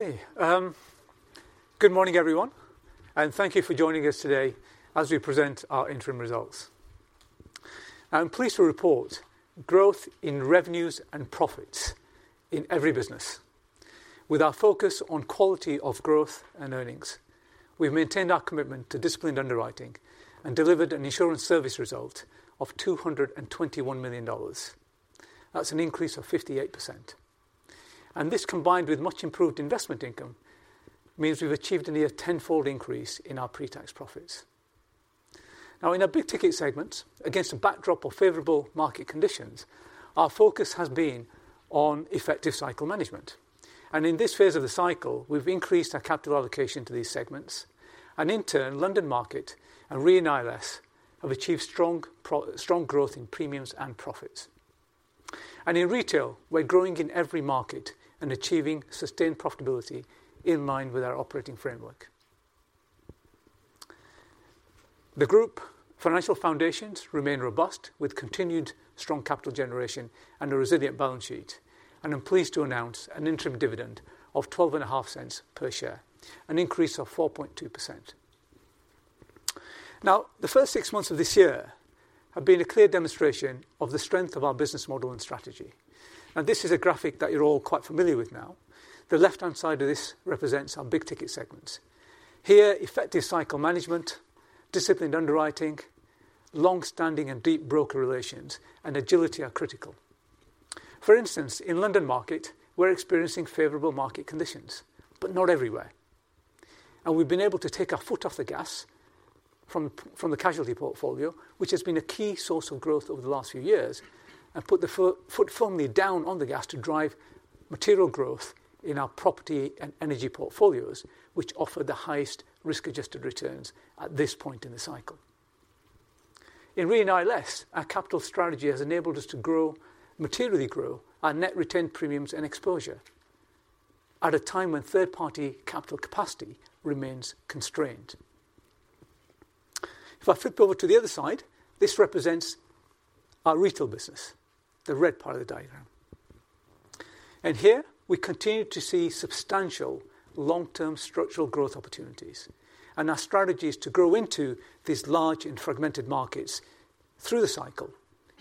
Hey, good morning, everyone, thank you for joining us today as we present our interim results. I'm pleased to report growth in revenues and profits in every business. With our focus on quality of growth and earnings, we've maintained our commitment to disciplined underwriting and delivered an insurance service result of $221 million. That's an increase of 58%. This, combined with much improved investment income, means we've achieved a near tenfold increase in our pre-tax profits. Now, in our big ticket segments, against a backdrop of favorable market conditions, our focus has been on effective cycle management. In this phase of the cycle, we've increased our capital allocation to these segments. In turn, London Market and Re & ILS have achieved strong growth in premiums and profits. In Hiscox Retail, we're growing in every market and achieving sustained profitability in line with our operating framework. The group financial foundations remain robust, with continued strong capital generation and a resilient balance sheet. I'm pleased to announce an interim dividend of 0.125 per share, an increase of 4.2%. Now, the first 6 months of this year have been a clear demonstration of the strength of our business model and strategy. This is a graphic that you're all quite familiar with now. The left-hand side of this represents our big-ticket segments. Here, effective cycle management, disciplined underwriting, long-standing and deep broker relations, and agility are critical. For instance, in Hiscox London Market, we're experiencing favorable market conditions, but not everywhere. We've been able to take our foot off the gas from the casualty portfolio, which has been a key source of growth over the last few years, and put the foot firmly down on the gas to drive material growth in our property and energy portfolios, which offer the highest risk-adjusted returns at this point in the cycle. In Re & ILS, our capital strategy has enabled us to grow materially grow our net retained premiums and exposure at a time when third-party capital capacity remains constrained. If I flip over to the other side, this represents our retail business, the red part of the diagram. Here we continue to see substantial long-term structural growth opportunities, and our strategy is to grow into these large and fragmented markets through the cycle,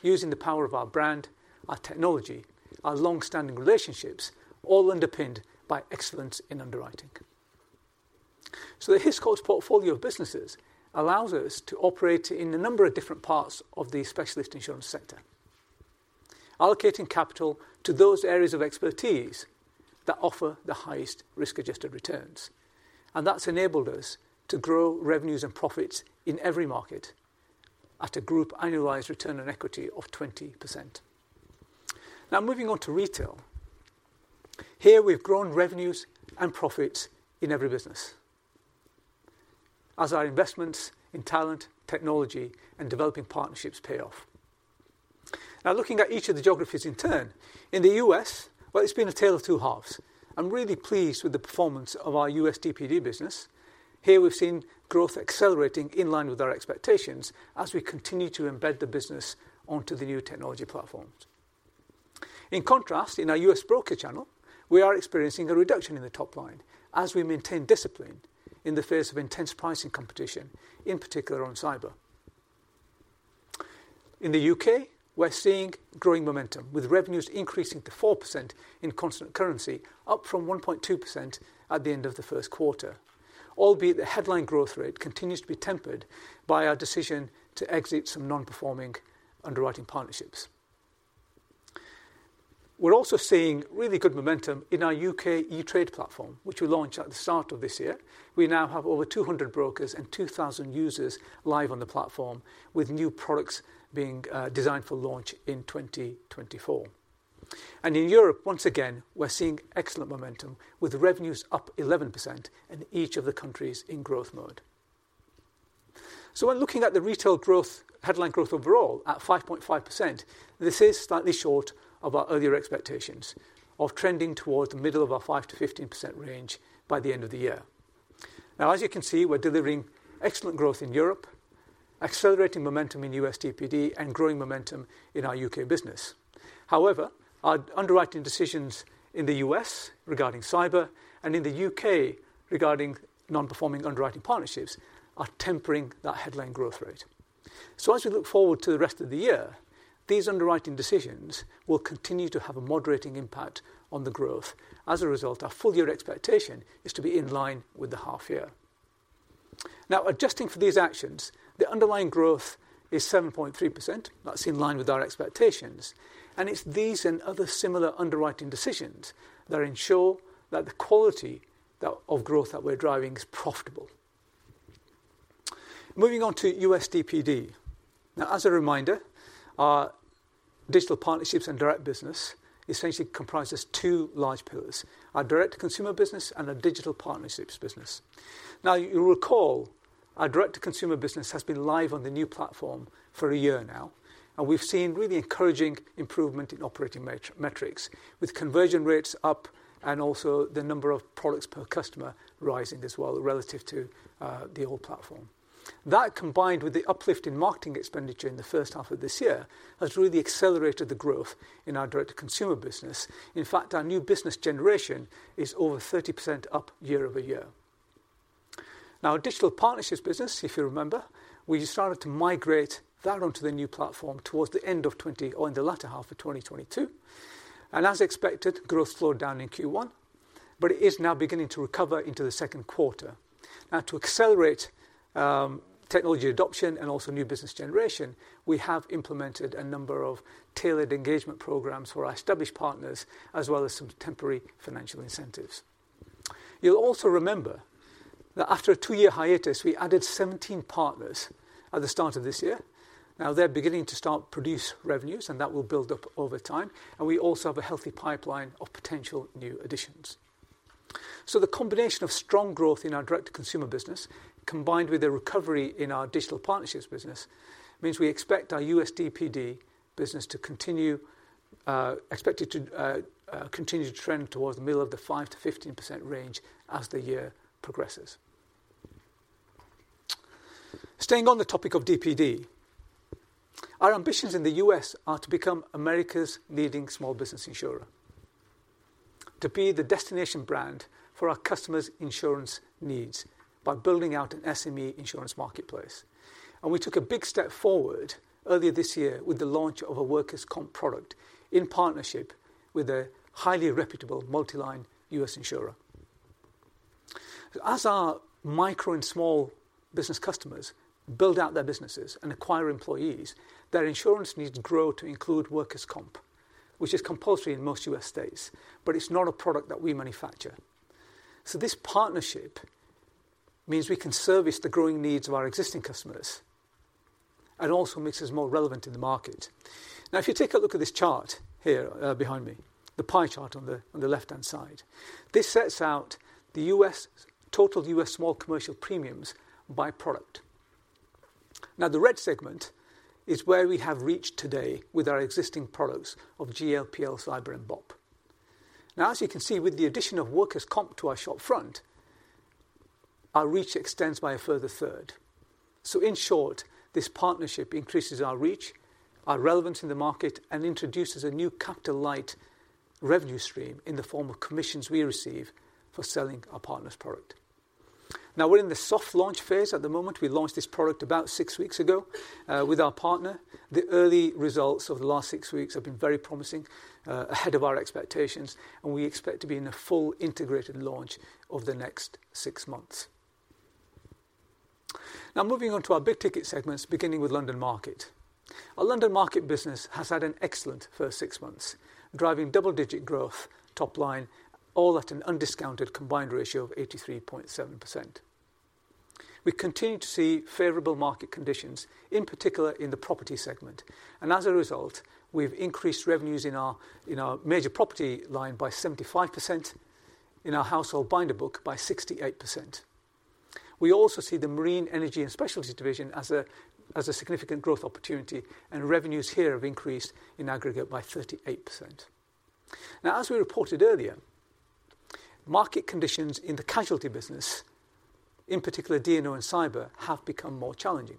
using the power of our brand, our technology, our long-standing relationships, all underpinned by excellence in underwriting. The Hiscox portfolio of businesses allows us to operate in a number of different parts of the specialist insurance center, allocating capital to those areas of expertise that offer the highest risk-adjusted returns. That's enabled us to grow revenues and profits in every market at a group annualized return on equity of 20%. Now, moving on to retail. Here we've grown revenues and profits in every business as our investments in talent, technology, and developing partnerships pay off. Now, looking at each of the geographies in turn. In the US, well, it's been a tale of two halves. I'm really pleased with the performance of our US DPD business. Here we've seen growth accelerating in line with our expectations as we continue to embed the business onto the new technology platforms. In contrast, in our US broker channel, we are experiencing a reduction in the top line as we maintain discipline in the face of intense pricing competition, in particular on Cyber. In the UK, we're seeing growing momentum, with revenues increasing to 4% in constant currency, up from 1.2% at the end of the first quarter, albeit the headline growth rate continues to be tempered by our decision to exit some non-performing underwriting partnerships. We're also seeing really good momentum in our UK e-trade platform, which we launched at the start of this year. We now have over 200 brokers and 2,000 users live on the platform, with new products being designed for launch in 2024. In Europe, once again, we're seeing excellent momentum, with revenues up 11% in each of the countries in growth mode. When looking at the retail growth, headline growth overall at 5.5%, this is slightly short of our earlier expectations of trending towards the middle of our 5%-15% range by the end of the year. Now, as you can see, we're delivering excellent growth in Europe, accelerating momentum in U.S. DPD, and growing momentum in our U.K. business. However, our underwriting decisions in the U.S. regarding Cyber and in the U.K. regarding non-performing underwriting partnerships are tempering that headline growth rate. As we look forward to the rest of the year, these underwriting decisions will continue to have a moderating impact on the growth. As a result, our full year expectation is to be in line with the half year. Now, adjusting for these actions, the underlying growth is 7.3%. That's in line with our expectations. It's these and other similar underwriting decisions that ensure that the quality of growth that we're driving is profitable. Moving on to US DPD. As a reminder, our digital partnerships and direct business essentially comprises two large pillars: our direct-to-consumer business and our digital partnerships business. You recall, our direct-to-consumer business has been live on the new platform for a year now, and we've seen really encouraging improvement in operating metrics, with conversion rates up and also the number of products per customer rising as well relative to the old platform. That, combined with the uplift in marketing expenditure in the first half of this year, has really accelerated the growth in our direct-to-consumer business. In fact, our new business generation is over 30% up year-over-year. Our Digital Partnerships business, if you remember, we started to migrate that onto the new platform towards the end of 2022 or in the latter half of 2022. As expected, growth slowed down in Q1, but it is now beginning to recover into the 2Q. To accelerate technology adoption and also new business generation, we have implemented a number of tailored engagement programs for our established partners, as well as some temporary financial incentives. You'll also remember that after a 2-year hiatus, we added 17 partners at the start of this year. They're beginning to start produce revenues, and that will build up over time, and we also have a healthy pipeline of potential new additions. The combination of strong growth in our direct-to-consumer business, combined with a recovery in our digital partnerships business, means we expect our US DPD business to continue to trend towards the middle of the 5%-15% range as the year progresses. Staying on the topic of DPD, our ambitions in the US are to become America's leading small business insurer, to be the destination brand for our customers' insurance needs by building out an SME insurance marketplace. We took a big step forward earlier this year with the launch of a workers' comp product in partnership with a highly reputable multi-line US insurer. As our micro and small business customers build out their businesses and acquire employees, their insurance needs grow to include workers' comp, which is compulsory in most US states, but it's not a product that we manufacture. This partnership means we can service the growing needs of our existing customers and also makes us more relevant in the market. If you take a look at this chart here, behind me, the pie chart on the left-hand side, this sets out the total U.S. small commercial premiums by product. The red segment is where we have reached today with our existing products of GL, PL, Cyber, and BOP. As you can see, with the addition of workers' comp to our shop front, our reach extends by a further third. In short, this partnership increases our reach, our relevance in the market, and introduces a new capital light revenue stream in the form of commissions we receive for selling our partner's product. We're in the soft launch phase at the moment. We launched this product about six weeks ago with our partner. The early results of the last six weeks have been very promising ahead of our expectations. We expect to be in a full integrated launch over the next six months. Now, moving on to our big-ticket segments, beginning with London Market. Our London Market business has had an excellent first six months, driving double-digit growth top line, all at an undiscounted combined ratio of 83.7%. We continue to see favorable market conditions, in particular in the property segment. As a result, we've increased revenues in our major property line by 75%, in our household binder book by 68%. We also see the Marine, Energy and Specialty division as a significant growth opportunity. Revenues here have increased in aggregate by 38%. As we reported earlier, market conditions in the casualty business, in particular, D&O and Cyber, have become more challenging.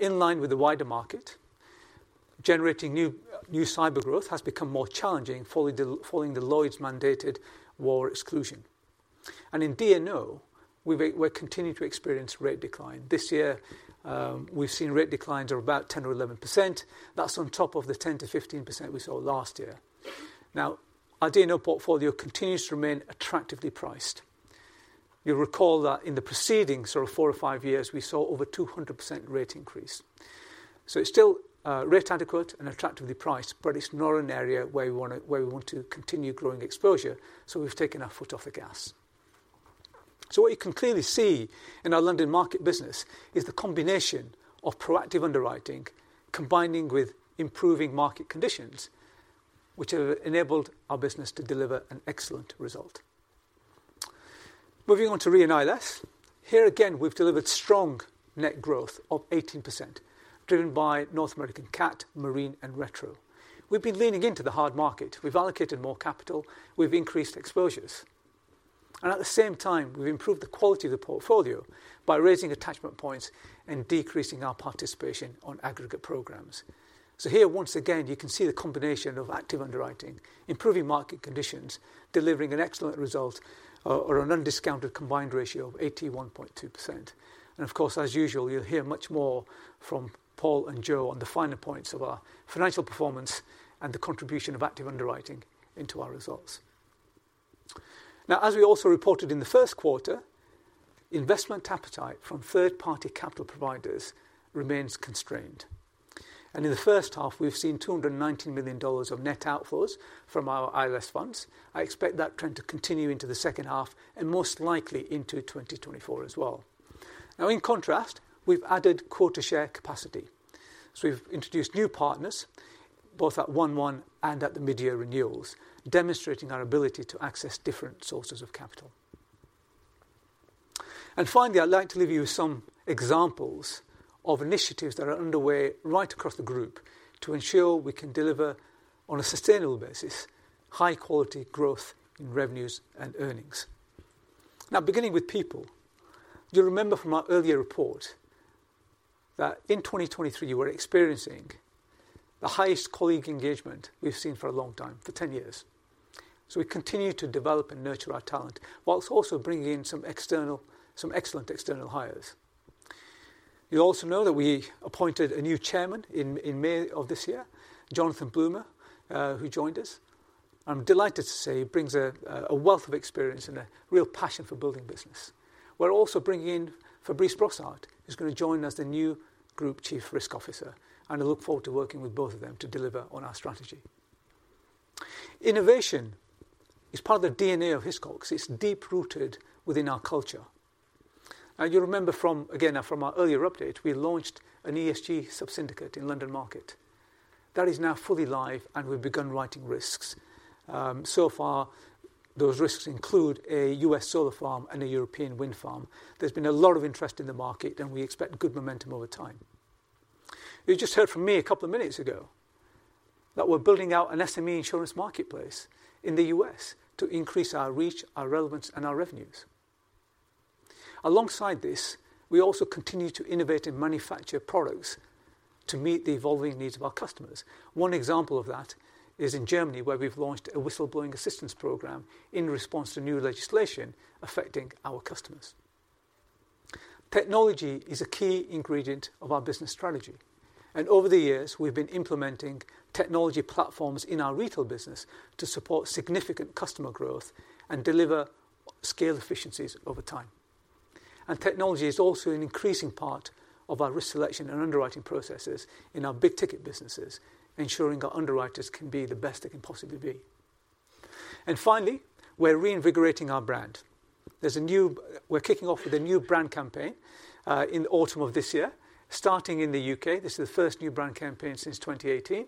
In line with the wider market, generating new Cyber growth has become more challenging, following the Lloyd's mandated war exclusion. In D&O, we're continuing to experience rate decline. This year, we've seen rate declines of about 10% or 11%. That's on top of the 10%-15% we saw last year. Our D&O portfolio continues to remain attractively priced. You'll recall that in the preceding sort of 4 or 5 years, we saw over 200% rate increase. It's still rate adequate and attractively priced, but it's not an area where we want to continue growing exposure, so we've taken our foot off the gas. What you can clearly see in our London Market business is the combination of proactive underwriting, combining with improving market conditions, which have enabled our business to deliver an excellent result. Moving on to Re & ILS. Here, again, we've delivered strong net growth of 18%, driven by North American CAT, Marine, and Retro. We've been leaning into the hard market. We've allocated more capital, we've increased exposures. At the same time, we've improved the quality of the portfolio by raising attachment points and decreasing our participation on aggregate programs. Here, once again, you can see the combination of active underwriting, improving market conditions, delivering an excellent result or an undiscounted combined ratio of 81.2%. Of course, as usual, you'll hear much more from Paul and Jo on the finer points of our financial performance and the contribution of active underwriting into our results. As we also reported in the first quarter, investment appetite from third-party capital providers remains constrained. In the first half, we've seen $219 million of net outflows from our ILS funds. I expect that trend to continue into the second half and most likely into 2024 as well. In contrast, we've added quota share capacity. We've introduced new partners, both at 1/1 and at the mid-year renewals, demonstrating our ability to access different sources of capital. Finally, I'd like to leave you some examples of initiatives that are underway right across the group to ensure we can deliver, on a sustainable basis, high-quality growth in revenues and earnings. Beginning with people, you'll remember from our earlier report that in 2023, we're experiencing the highest colleague engagement we've seen for a long time, for 10 years. We continue to develop and nurture our talent, whilst also bringing in some external, some excellent external hires. You'll also know that we appointed a new chairman in May of this year, Jonathan Bloomer, who joined us. I'm delighted to say he brings a wealth of experience and a real passion for building business. We're also bringing in Fabrice Brossart, who's going to join as the new Group Chief Risk Officer, and I look forward to working with both of them to deliver on our strategy. Innovation is part of the DNA of Hiscox. It's deep-rooted within our culture. You remember from, again, from our earlier update, we launched an ESG sub-syndicate in London Market. That is now fully live, and we've begun writing risks. So far, those risks include a US solar farm and a European wind farm. There's been a lot of interest in the market, and we expect good momentum over time. You just heard from me a couple of minutes ago that we're building out an SME insurance marketplace in the US to increase our reach, our relevance, and our revenues. Alongside this, we also continue to innovate and manufacture products to meet the evolving needs of our customers. One example of that is in Germany, where we've launched a whistleblowing assistance program in response to new legislation affecting our customers. Technology is a key ingredient of our business strategy, and over the years, we've been implementing technology platforms in our retail business to support significant customer growth and deliver scale efficiencies over time. Technology is also an increasing part of our risk selection and underwriting processes in our big-ticket businesses, ensuring our underwriters can be the best they can possibly be. Finally, we're reinvigorating our brand. We're kicking off with a new brand campaign in the autumn of this year, starting in the UK. This is the first new brand campaign since 2018.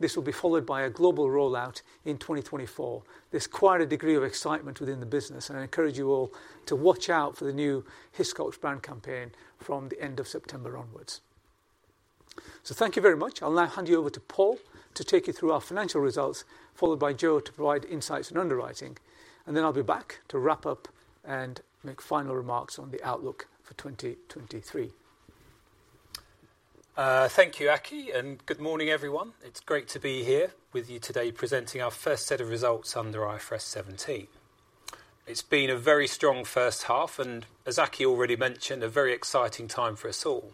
This will be followed by a global rollout in 2024. There's quite a degree of excitement within the business, and I encourage you all to watch out for the new Hiscox brand campaign from the end of September onwards. Thank you very much. I'll now hand you over to Paul to take you through our financial results, followed by Jo to provide insights on underwriting. Then I'll be back to wrap up and make final remarks on the outlook for 2023. Thank you, Aki, good morning, everyone. It's great to be here with you today, presenting our first set of results under IFRS 17. It's been a very strong first half, as Aki already mentioned, a very exciting time for us all.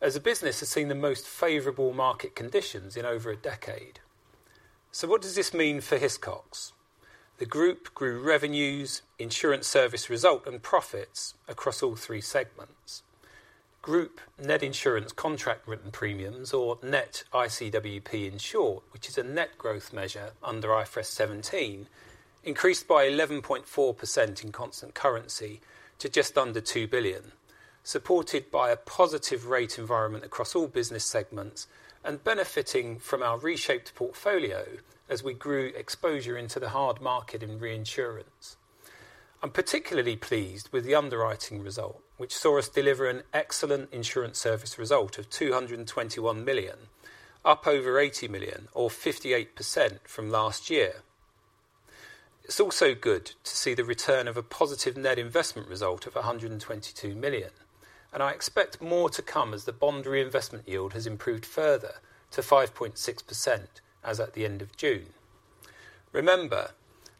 As a business, it's seen the most favorable market conditions in over a decade. What does this mean for Hiscox? The group grew revenues, insurance service result, and profits across all three segments. Group net insurance contract written premiums, or net ICWP, in short, which is a net growth measure under IFRS 17, increased by 11.4% in constant currency to just under 2 billion, supported by a positive rate environment across all business segments and benefiting from our reshaped portfolio as we grew exposure into the hard market in reinsurance. I'm particularly pleased with the underwriting result, which saw us deliver an excellent insurance service result of 221 million, up over 80 million or 58% from last year. It's also good to see the return of a positive net investment result of 122 million. I expect more to come as the bond reinvestment yield has improved further to 5.6%, as at the end of June. Remember,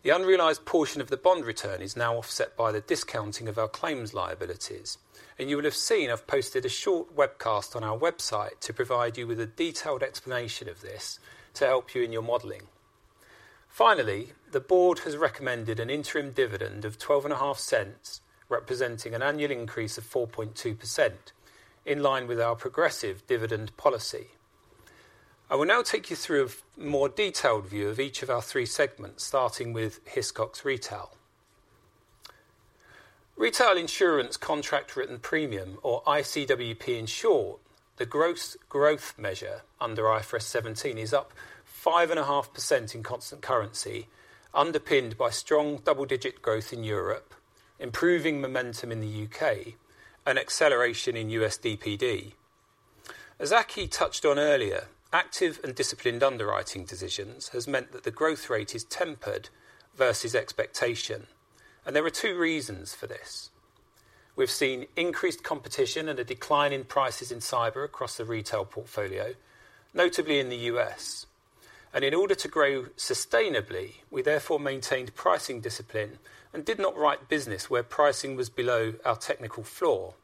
the unrealized portion of the bond return is now offset by the discounting of our claims liabilities. You will have seen I've posted a short webcast on our website to provide you with a detailed explanation of this to help you in your modeling. Finally, the board has recommended an interim dividend of $0.125, representing an annual increase of 4.2%, in line with our progressive dividend policy. I will now take you through a more detailed view of each of our three segments, starting with Hiscox Retail. Retail insurance contract written premium or ICWP, in short, the gross growth measure under IFRS 17 is up 5.5% in constant currency, underpinned by strong double-digit growth in Europe, improving momentum in the UK, and acceleration in US DPD. As Aki touched on earlier, active and disciplined underwriting decisions has meant that the growth rate is tempered versus expectation. There are two reasons for this. We've seen increased competition and a decline in prices in Cyber across the retail portfolio, notably in the US. In order to grow sustainably, we therefore maintained pricing discipline and did not write business where pricing was below our technical floor.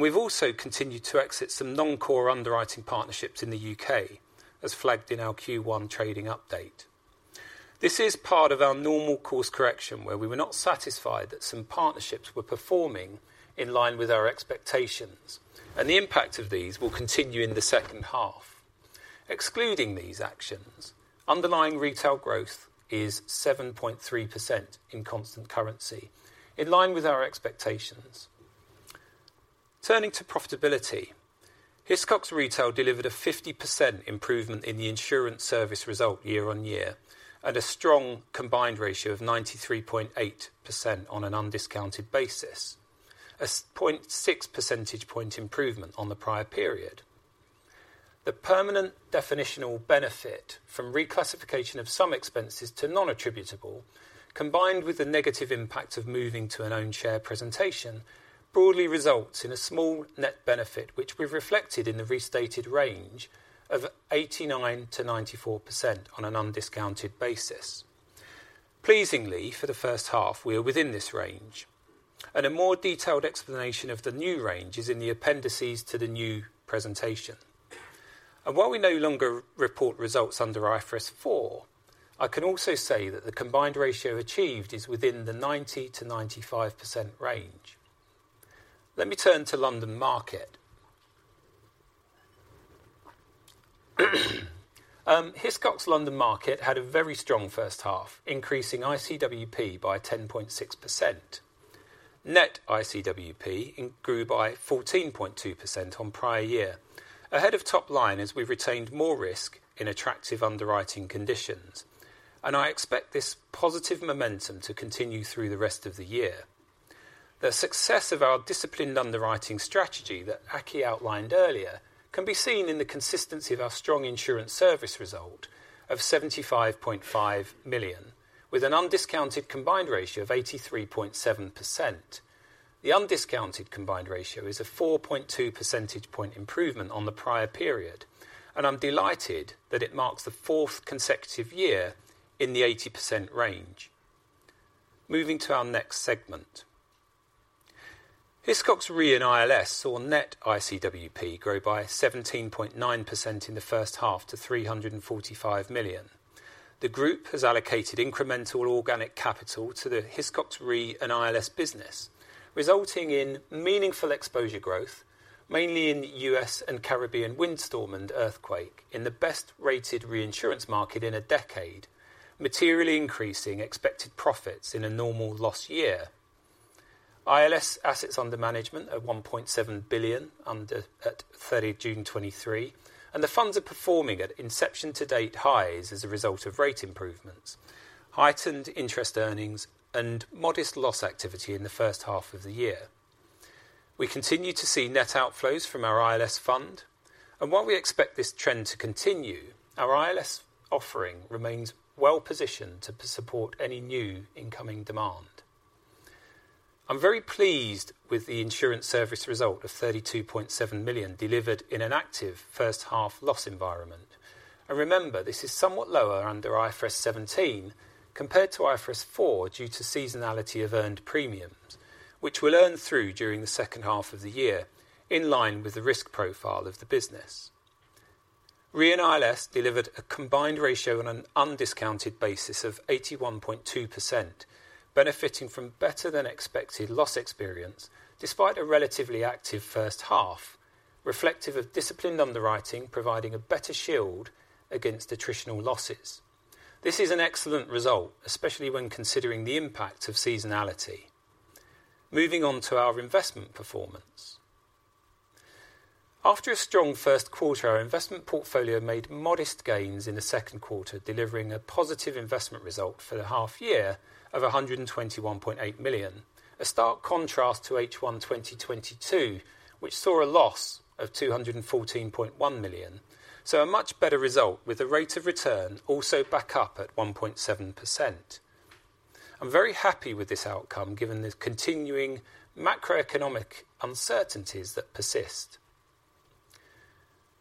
We've also continued to exit some non-core underwriting partnerships in the UK, as flagged in our Q1 trading update. This is part of our normal course correction, where we were not satisfied that some partnerships were performing in line with our expectations, and the impact of these will continue in the second half. Excluding these actions, underlying retail growth is 7.3% in constant currency, in line with our expectations. Turning to profitability, Hiscox Retail delivered a 50% improvement in the insurance service result year-on-year, at a strong combined ratio of 93.8% on an undiscounted basis, a 0.6 percentage point improvement on the prior period. The permanent definitional benefit from reclassification of some expenses to non-attributable, combined with the negative impact of moving to an own share presentation, broadly results in a small net benefit, which we've reflected in the restated range of 89%-94% on an undiscounted basis. Pleasingly, for the first half, we are within this range, a more detailed explanation of the new range is in the appendices to the new presentation. While we no longer report results under IFRS 4, I can also say that the combined ratio achieved is within the 90%-95% range. Let me turn to London Market. Hiscox London Market had a very strong first half, increasing ICWP by 10.6%. Net ICWP grew by 14.2% on prior year, ahead of top line, as we retained more risk in attractive underwriting conditions. I expect this positive momentum to continue through the rest of the year. The success of our disciplined underwriting strategy, that Aki outlined earlier, can be seen in the consistency of our strong insurance service result of 75.5 million, with an undiscounted combined ratio of 83.7%. The undiscounted combined ratio is a 4.2 percentage point improvement on the prior period, and I'm delighted that it marks the fourth consecutive year in the 80% range. Moving to our next segment. Hiscox Re & ILS saw net ICWP grow by 17.9% in the first half to 345 million. The group has allocated incremental organic capital to the Hiscox Re & ILS business, resulting in meaningful exposure growth, mainly in U.S. and Caribbean windstorm and earthquake, in the best-rated reinsurance market in a decade, materially increasing expected profits in a normal loss year. ILS assets under management are 1.7 billion at June 30, 2023. The funds are performing at inception-to-date highs as a result of rate improvements, heightened interest earnings, and modest loss activity in the first half of the year. We continue to see net outflows from our ILS fund. While we expect this trend to continue, our ILS offering remains well positioned to support any new incoming demand. I'm very pleased with the insurance service result of 32.7 million delivered in an active first half loss environment. Remember, this is somewhat lower under IFRS 17 compared to IFRS 4, due to seasonality of earned premiums, which we'll earn through during the second half of the year, in line with the risk profile of the business. Re & ILS delivered a combined ratio on an undiscounted basis of 81.2%, benefiting from better than expected loss experience, despite a relatively active first half, reflective of disciplined underwriting, providing a better shield against attritional losses. This is an excellent result, especially when considering the impact of seasonality. Moving on to our investment performance. After a strong first quarter, our investment portfolio made modest gains in the second quarter, delivering a positive investment result for the half year of 121.8 million. A stark contrast to H1, 2022, which saw a loss of 214.1 million. A much better result, with the rate of return also back up at 1.7%. I'm very happy with this outcome, given the continuing macroeconomic uncertainties that persist.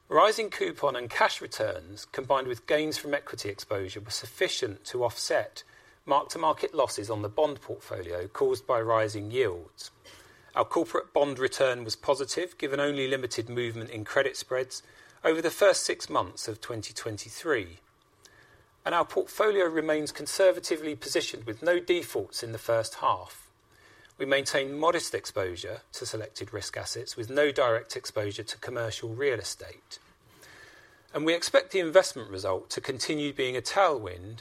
Rising coupon and cash returns, combined with gains from equity exposure, were sufficient to offset mark-to-market losses on the bond portfolio caused by rising yields. Our corporate bond return was positive, given only limited movement in credit spreads over the first six months of 2023. Our portfolio remains conservatively positioned with no defaults in the first half. We maintain modest exposure to selected risk assets, with no direct exposure to commercial real estate. We expect the investment result to continue being a tailwind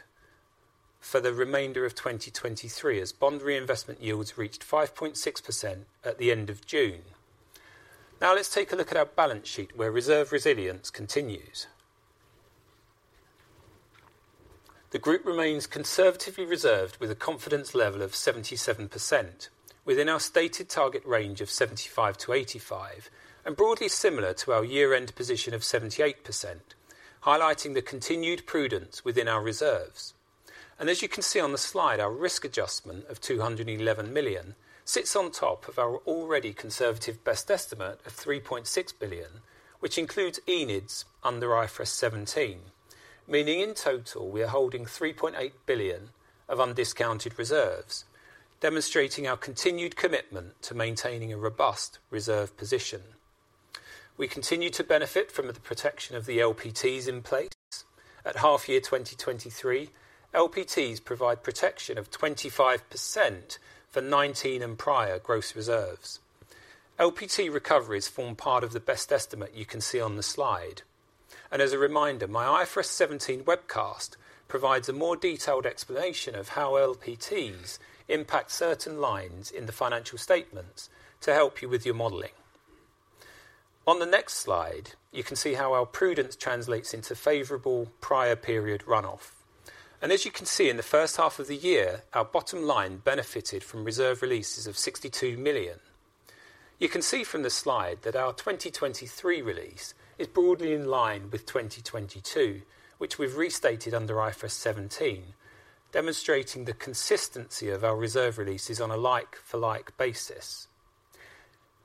for the remainder of 2023, as bond reinvestment yields reached 5.6% at the end of June. Now, let's take a look at our balance sheet, where reserve resilience continues. The group remains conservatively reserved, with a confidence level of 77%, within our stated target range of 75%-85%, and broadly similar to our year-end position of 78%, highlighting the continued prudence within our reserves. As you can see on the slide, our risk adjustment of 211 million sits on top of our already conservative best estimate of 3.6 billion, which includes ENIDs under IFRS 17, meaning in total, we are holding 3.8 billion of undiscounted reserves, demonstrating our continued commitment to maintaining a robust reserve position. We continue to benefit from the protection of the LPTs in place. At half year 2023, LPTs provide protection of 25% for 2019 and prior gross reserves. LPT recoveries form part of the best estimate you can see on the slide. As a reminder, my IFRS 17 webcast provides a more detailed explanation of how LPTs impact certain lines in the financial statements to help you with your modeling. On the next slide, you can see how our prudence translates into favorable prior period runoff.... As you can see, in the first half of the year, our bottom line benefited from reserve releases of 62 million. You can see from the slide that our 2023 release is broadly in line with 2022, which we've restated under IFRS 17, demonstrating the consistency of our reserve releases on a like-for-like basis.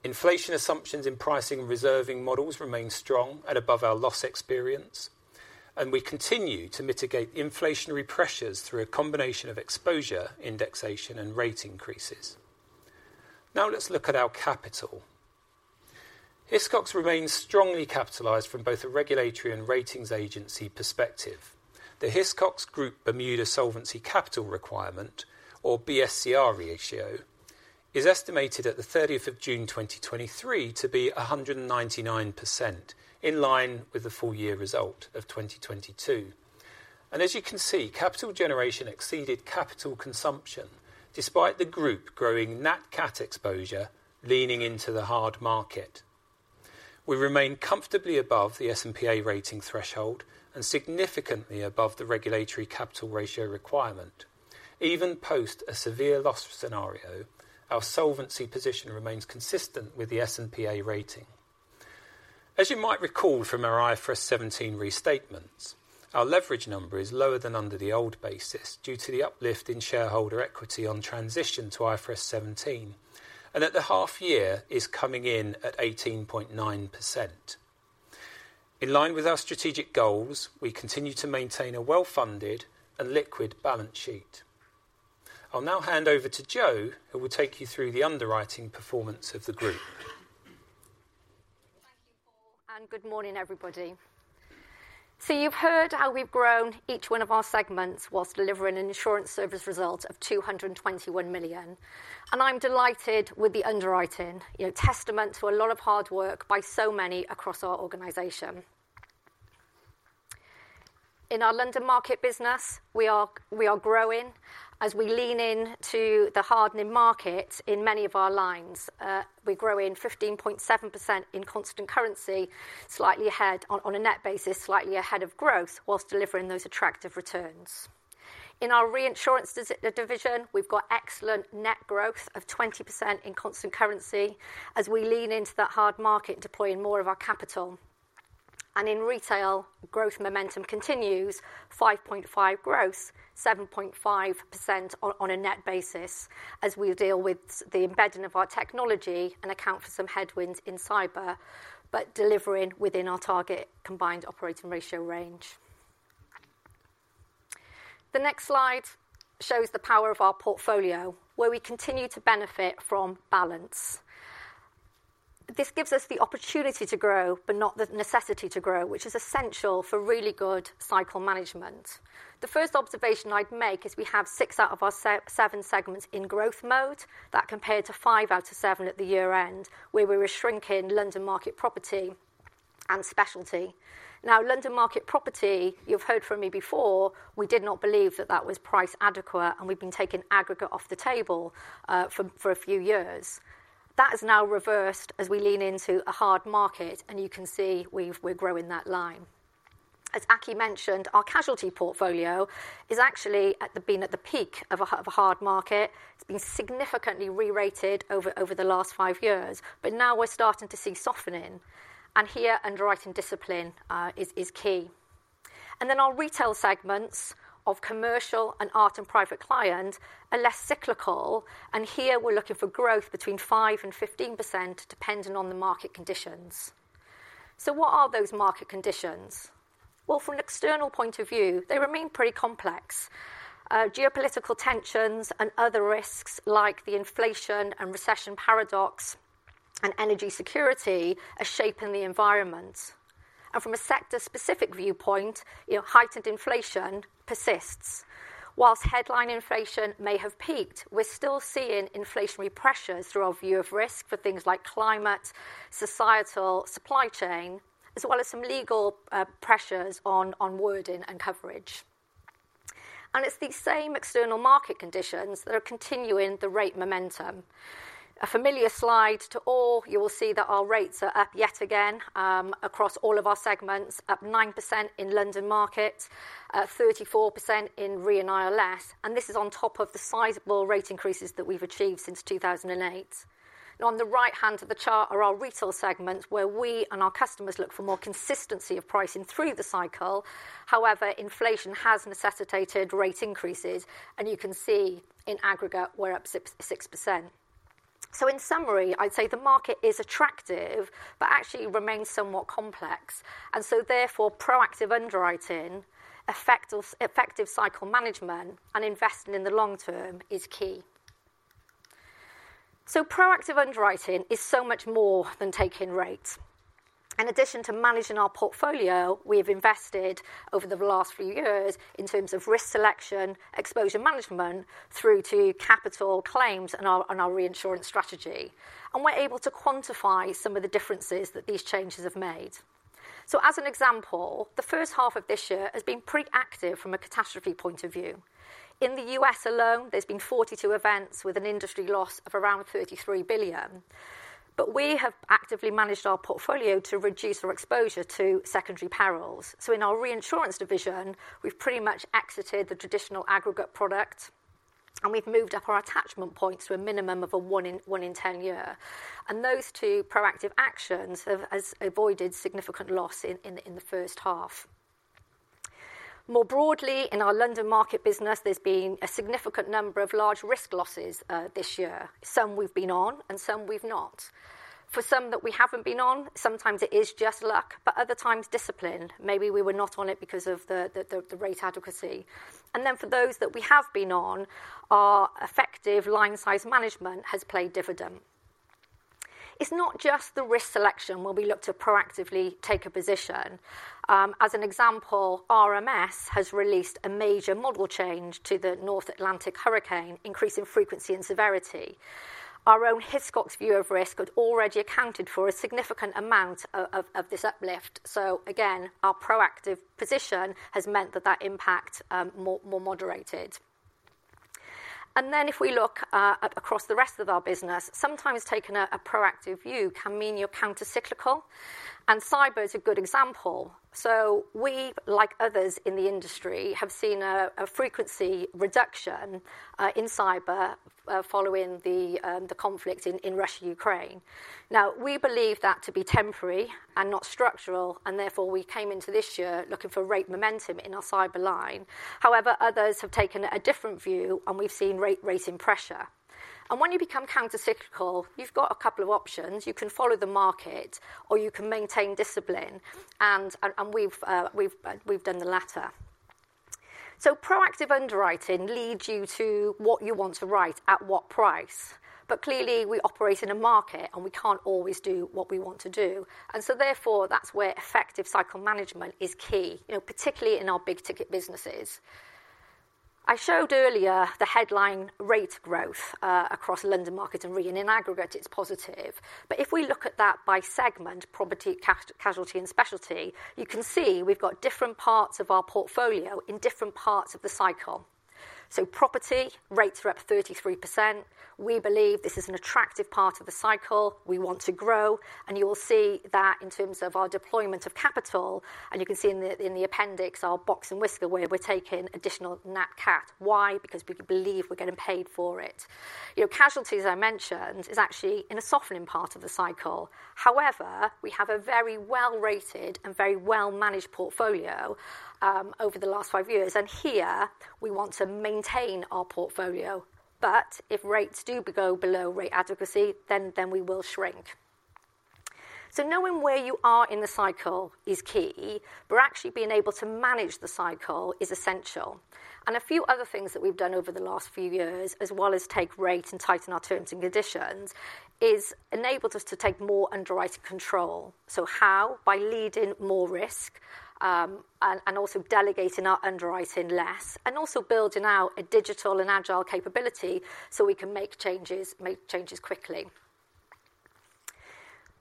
Inflation assumptions in pricing and reserving models remain strong at above our loss experience, and we continue to mitigate inflationary pressures through a combination of exposure, indexation, and rate increases. Now, let's look at our capital. Hiscox remains strongly capitalized from both a regulatory and ratings agency perspective. The Hiscox Group Bermuda Solvency Capital Requirement, or BSCR ratio, is estimated at the 30th of June 2023 to be 199%, in line with the full year result of 2022. As you can see, capital generation exceeded capital consumption despite the group growing natural catastrophe exposure, leaning into the hard market. We remain comfortably above the S&P rating threshold and significantly above the regulatory capital ratio requirement. Even post a severe loss scenario, our solvency position remains consistent with the S&P rating. As you might recall from our IFRS 17 restatements, our leverage number is lower than under the old basis due to the uplift in shareholder equity on transition to IFRS 17, and at the half year is coming in at 18.9%. In line with our strategic goals, we continue to maintain a well-funded and liquid balance sheet. I'll now hand over to Jo, who will take you through the underwriting performance of the group. Thank you, Paul. Good morning, everybody. You've heard how we've grown each one of our segments whilst delivering an insurance service result of 221 million, and I'm delighted with the underwriting. You know, testament to a lot of hard work by so many across our organization. In our London market business, we are growing as we lean into the hardening market in many of our lines. We're growing 15.7% in constant currency, slightly ahead on a net basis, slightly ahead of growth, whilst delivering those attractive returns. In our reinsurance division, we've got excellent net growth of 20% in constant currency as we lean into that hard market, deploying more of our capital. In retail, growth momentum continues 5.5% growth, 7.5% on a net basis as we deal with the embedding of our technology and account for some headwinds in Cyber, but delivering within our target combined operating ratio range. The next slide shows the power of our portfolio, where we continue to benefit from balance. This gives us the opportunity to grow, but not the necessity to grow, which is essential for really good cycle management. The first observation I'd make is we have 6 out of our 7 segments in growth mode. That compared to 5 out of 7 at the year-end, where we were shrinking Hiscox London Market Property and Specialty. London market property, you've heard from me before, we did not believe that that was price adequate, and we've been taking aggregate off the table for a few years. That is now reversed as we lean into a hard market, you can see we've, we're growing that line. As Aki mentioned, our casualty portfolio is actually at the, been at the peak of a hard market. It's been significantly re-rated over, over the last 5 years, now we're starting to see softening, here, underwriting discipline is key. Our retail segments of commercial and Art and Private Client are less cyclical, here we're looking for growth between 5% and 15%, depending on the market conditions. What are those market conditions? Well, from an external point of view, they remain pretty complex. Geopolitical tensions and other risks like the inflation and recession paradox and energy security are shaping the environment. From a sector-specific viewpoint, you know, heightened inflation persists. While headline inflation may have peaked, we're still seeing inflationary pressures through our view of risk for things like climate, societal, supply chain, as well as some legal pressures on wording and coverage. It's these same external market conditions that are continuing the rate momentum. A familiar slide to all. You will see that our rates are up yet again across all of our segments, up 9% in London Market, 34% in Re & ILS, and this is on top of the sizable rate increases that we've achieved since 2008. On the right-hand of the chart are our retail segments, where we and our customers look for more consistency of pricing through the cycle. Inflation has necessitated rate increases, and you can see in aggregate, we're up 6%. In summary, I'd say the market is attractive, but actually remains somewhat complex. Therefore, proactive underwriting, effective cycle management, and investing in the long term is key. Proactive underwriting is so much more than taking rates. In addition to managing our portfolio, we've invested over the last few years in terms of risk selection, exposure management, through to capital claims and our, and our reinsurance strategy, and we're able to quantify some of the differences that these changes have made. As an example, the first half of this year has been pretty active from a catastrophe point of view. In the US alone, there's been 42 events with an industry loss of around 33 billion. We have actively managed our portfolio to reduce our exposure to secondary perils. In our reinsurance division, we've pretty much exited the traditional aggregate product, and we've moved up our attachment points to a minimum of a 1 in 10 year. Those two proactive actions has avoided significant loss in the first half. More broadly, in our London Market business, there's been a significant number of large risk losses this year. Some we've been on, and some we've not. For some that we haven't been on, sometimes it is just luck, but other times discipline. Maybe we were not on it because of the rate adequacy. For those that we have been on, our effective line size management has played dividend. It's not just the risk selection where we look to proactively take a position. As an example, RMS has released a major model change to the North Atlantic hurricane, increasing frequency and severity. Our own Hiscox view of risk had already accounted for a significant amount of this uplift. Again, our proactive position has meant that that impact, more, more moderated. If we look across the rest of our business, sometimes taking a, a proactive view can mean you're countercyclical, and Cyber is a good example. We, like others in the industry, have seen a frequency reduction in Cyber following the conflict in Russia, Ukraine. Now, we believe that to be temporary and not structural, and therefore, we came into this year looking for rate momentum in our Cyber line. However, others have taken a different view, and we've seen rate, rate pressure. When you become countercyclical, you've got a couple of options: you can follow the market, or you can maintain discipline, and, and, and we've, we've, we've done the latter. Proactive underwriting leads you to what you want to write, at what price. Clearly, we operate in a market, and we can't always do what we want to do, and so therefore, that's where effective cycle management is key, you know, particularly in our big-ticket businesses. I showed earlier the headline rate growth, across London Market and Re, and in aggregate, it's positive. If we look at that by segment, property, casualty, and specialty, you can see we've got different parts of our portfolio in different parts of the cycle. Property rates are up 33%. We believe this is an attractive part of the cycle. We want to grow, and you will see that in terms of our deployment of capital, and you can see in the, in the appendix, our box and whisker, where we're taking additional nat cat. Why? Because we believe we're getting paid for it. Your casualty, as I mentioned, is actually in a softening part of the cycle. However, we have a very well-rated and very well-managed portfolio, over the last 5 years, and here we want to maintain our portfolio. If rates do go below rate adequacy, then we will shrink. Knowing where you are in the cycle is key, but actually being able to manage the cycle is essential. A few other things that we've done over the last few years, as well as take rate and tighten our terms and conditions, is enabled us to take more underwriter control. How? By leading more risk, and also delegating our underwriting less, and also building out a digital and agile capability, so we can make changes, make changes quickly.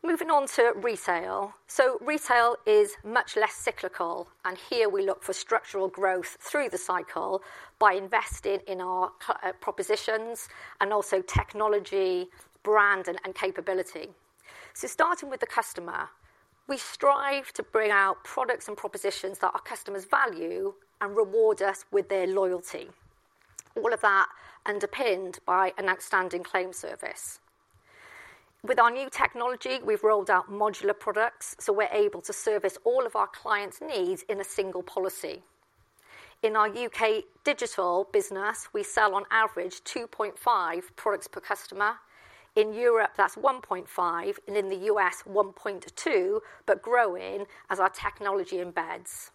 Moving on to Retail. Retail is much less cyclical, and here we look for structural growth through the cycle by investing in our propositions and also technology, brand, and capability. Starting with the customer, we strive to bring out products and propositions that our customers value and reward us with their loyalty. All of that underpinned by an outstanding claim service. With our new technology, we've rolled out modular products, so we're able to service all of our clients' needs in a single policy. In our UK digital business, we sell on average 2.5 products per customer. In Europe, that's 1.5, and in the US, 1.2, but growing as our technology embeds.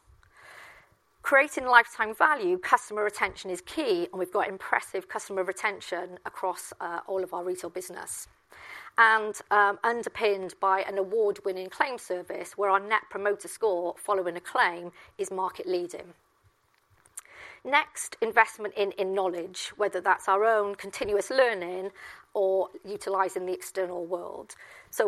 Creating lifetime value, customer retention is key, and we've got impressive customer retention across all of our retail business. Underpinned by an award-winning claim service, where our Net Promoter Score, following a claim, is market leading. Investment in, in knowledge, whether that's our own continuous learning or utilizing the external world.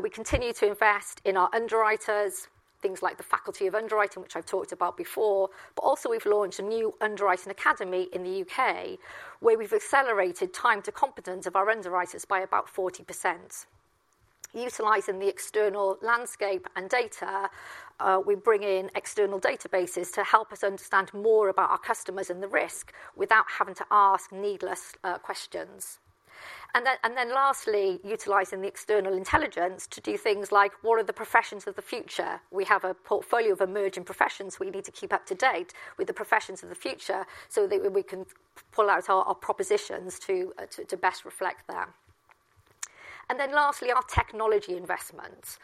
We continue to invest in our underwriters, things like the Faculty of Underwriting, which I've talked about before, but also we've launched a new underwriting academy in the UK, where we've accelerated time to competence of our underwriters by about 40%. Utilizing the external landscape and data, we bring in external databases to help us understand more about our customers and the risk without having to ask needless questions. Lastly, utilizing the external intelligence to do things like what are the professions of the future? We have a portfolio of emerging professions we need to keep up to date with the professions of the future so that we can pull out our, our propositions to, to best reflect that. Lastly, our technology investments,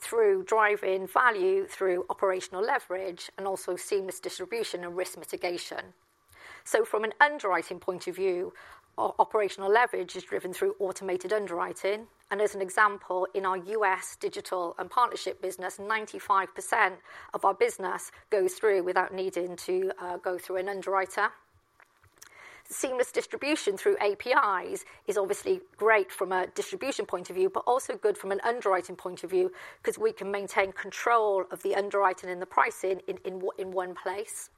through driving value through operational leverage and also seamless distribution and risk mitigation. From an underwriting point of view, o- operational leverage is driven through automated underwriting, and as an example, in our US digital and partnership business, 95% of our business goes through without needing to go through an underwriter. Seamless distribution through APIs is obviously great from a distribution point of view, but also good from an underwriting point of view because we can maintain control of the underwriting and the pricing in, in o- in one place.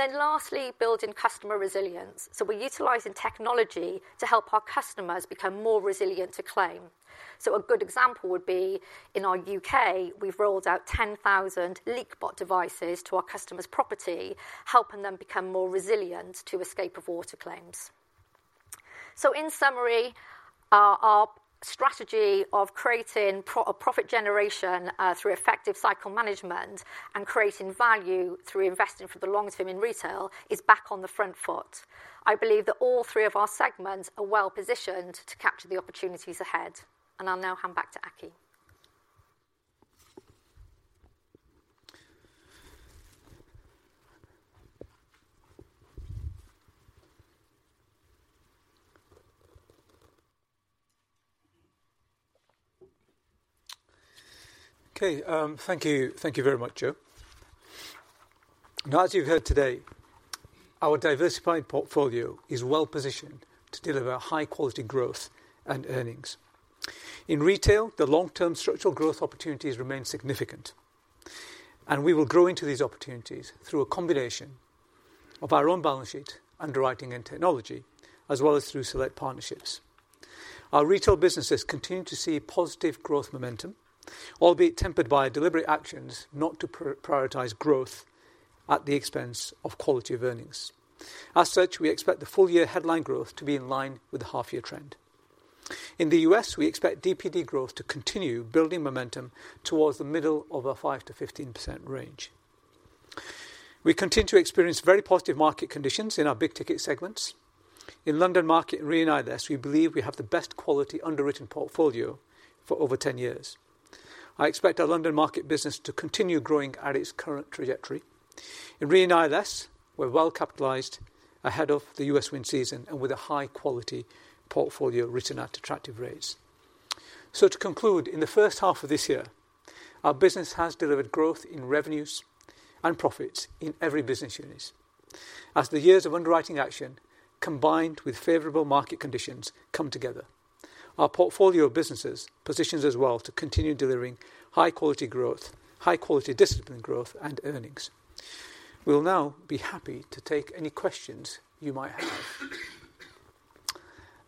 Then lastly, building customer resilience. We're utilizing technology to help our customers become more resilient to claim. A good example would be in our UK, we've rolled out 10,000 LeakBot devices to our customers' property, helping them become more resilient to escape of water claims. In summary, our strategy of creating profit generation, through effective cycle management and creating value through investing for the long term in retail is back on the front foot. I believe that all three of our segments are well positioned to capture the opportunities ahead, and I'll now hand back to Aki. Okay, thank you. Thank you very much, Jo. As you've heard today, our diversified portfolio is well positioned to deliver high quality growth and earnings. In retail, the long-term structural growth opportunities remain significant, and we will grow into these opportunities through a combination of our own balance sheet, underwriting and technology, as well as through select partnerships. Our retail businesses continue to see positive growth momentum, albeit tempered by deliberate actions not to prioritize growth at the expense of quality of earnings. As such, we expect the full year headline growth to be in line with the half year trend. In the U.S., we expect DPD growth to continue building momentum towards the middle of a 5%-15% range. We continue to experience very positive market conditions in our big ticket segments. In London Market, Re & ILS, we believe we have the best quality underwritten portfolio for over 10 years. I expect our London Market business to continue growing at its current trajectory. In Re & ILS, we're well capitalized ahead of the US wind season and with a high-quality portfolio written at attractive rates. To conclude, in the first half of this year, our business has delivered growth in revenues and profits in every business units. As the years of underwriting action, combined with favorable market conditions, come together, our portfolio of businesses positions us well to continue delivering high quality growth, high quality discipline growth, and earnings. We'll now be happy to take any questions you might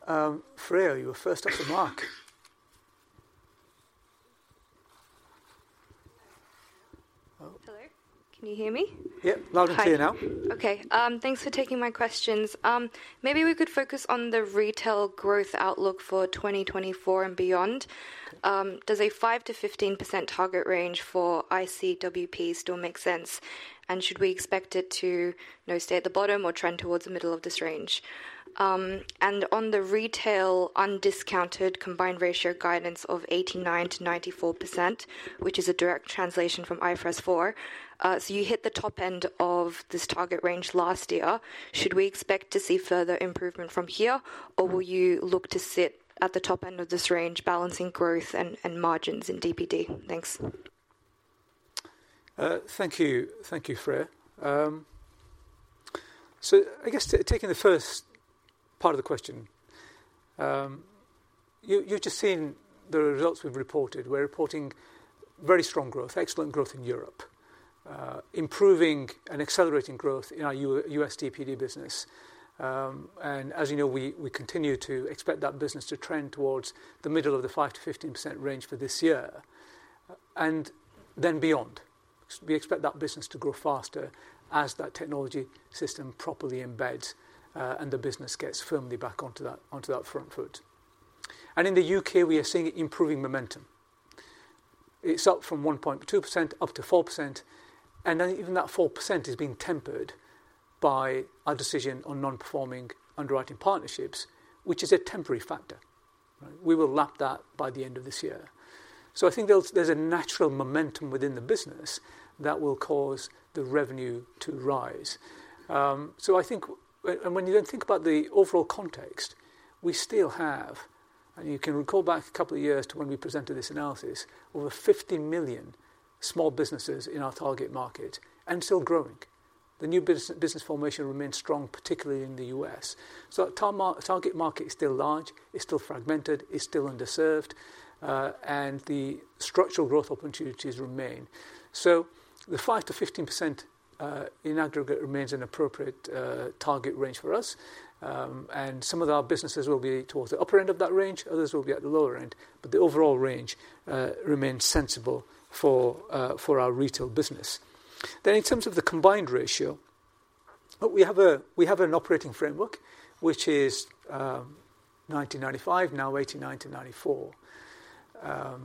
have. Freya, you are first up the mark. Hello, can you hear me? Yeah. Hi. Louder to you now. Thanks for taking my questions. Maybe we could focus on the retail growth outlook for 2024 and beyond. Does a 5%-15% target range for ICWP still make sense? Should we expect it to, you know, stay at the bottom or trend towards the middle of this range? On the retail undiscounted combined ratio guidance of 89%-94%, which is a direct translation from IFRS 4, you hit the top end of this target range last year. Should we expect to see further improvement from here, or will you look to sit at the top end of this range, balancing growth and margins in DPD? Thanks. Thank you. Thank you, Freya. I guess taking the first part of the question, you, you've just seen the results we've reported. We're reporting very strong growth, excellent growth in Europe, improving and accelerating growth in our US DPD business. As you know, we, we continue to expect that business to trend towards the middle of the 5%-15% range for this year, and then beyond. We expect that business to grow faster as that technology system properly embeds, and the business gets firmly back onto that, onto that front foot. In the UK, we are seeing improving momentum. It's up from 1.2%, up to 4%, and then even that 4% is being tempered by our decision on non-performing underwriting partnerships, which is a temporary factor. We will lap that by the end of this year. I think there's, there's a natural momentum within the business that will cause the revenue to rise. I think. When you then think about the overall context, we still have, and you can recall back a couple of years to when we presented this analysis, over 50 million small businesses in our target market and still growing. The new business formation remains strong, particularly in the US. Our target market is still large, it's still fragmented, it's still underserved, and the structural growth opportunities remain. The 5%-15%, in aggregate, remains an appropriate target range for us. Some of our businesses will be towards the upper end of that range, others will be at the lower end, but the overall range remains sensible for our retail business. In terms of the combined ratio, we have an operating framework, which is 90-95, now 89-94. You know,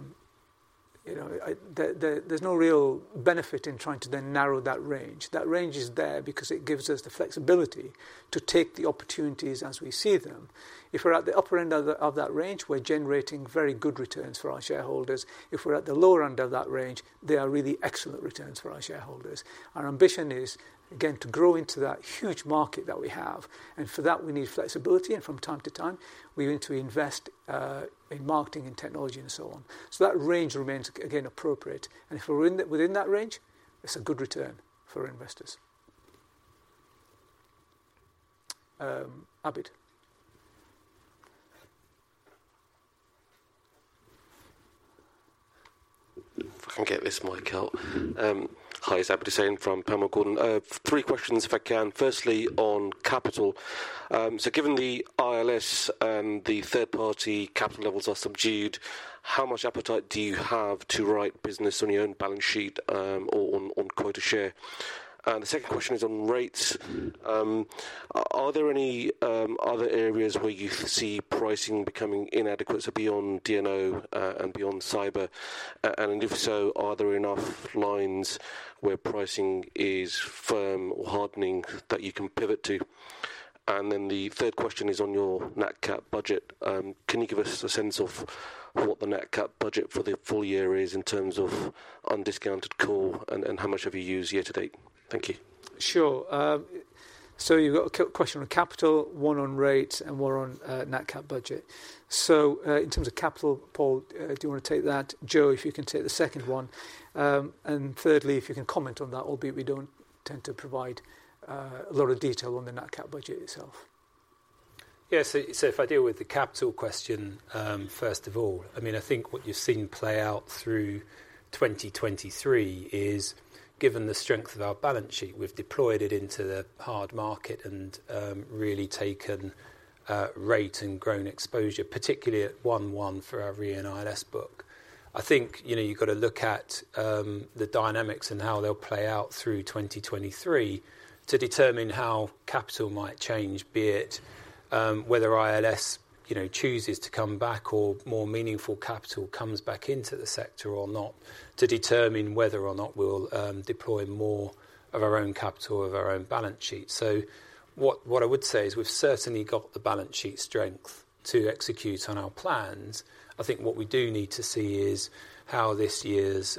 there's no real benefit in trying to then narrow that range. That range is there because it gives us the flexibility to take the opportunities as we see them. If we're at the upper end of that range, we're generating very good returns for our shareholders. If we're at the lower end of that range, they are really excellent returns for our shareholders. Our ambition is, again, to grow into that huge market that we have. For that, we need flexibility, and from time to time, we need to invest in marketing and technology and so on. That range remains, again, appropriate, and if we're in that, within that range, it's a good return for investors. Abid? If I can get this mic out. Hi, it's Abid Hussain from Panmure Gordon. 3 questions, if I can. Firstly, on capital. So given the ILS and the third party capital levels are subdued, how much appetite do you have to write business on your own balance sheet, or on quota share? The second question is on rates. Are there any other areas where you see pricing becoming inadequate, so beyond D&O, and beyond Cyber? And if so, are there enough lines where pricing is firm or hardening that you can pivot to? Then the third question is on your nat cat budget. Can you give us a sense of what the nat cat budget for the full year is in terms of undiscounted call, and how much have you used year to date? Thank you. Sure. You've got a question on capital, one on rates, and one on natural catastrophe budget. In terms of capital, Paul, do you want to take that? Jo, if you can take the second one. Thirdly, if you can comment on that, albeit we don't tend to provide a lot of detail on the natural catastrophe budget itself. Yes, so, if I deal with the capital question, first of all. I mean, I think what you've seen play out through 2023 is, given the strength of our balance sheet, we've deployed it into the hard market and really taken rate and grown exposure, particularly at 1/1 for every ILS book. I think, you know, you've got to look at the dynamics and how they'll play out through 2023, to determine how capital might change, be it whether ILS, you know, chooses to come back or more meaningful capital comes back into the sector or not, to determine whether or not we'll deploy more of our own capital of our own balance sheet. What, what I would say is, we've certainly got the balance sheet strength to execute on our plans. I think what we do need to see is how this year's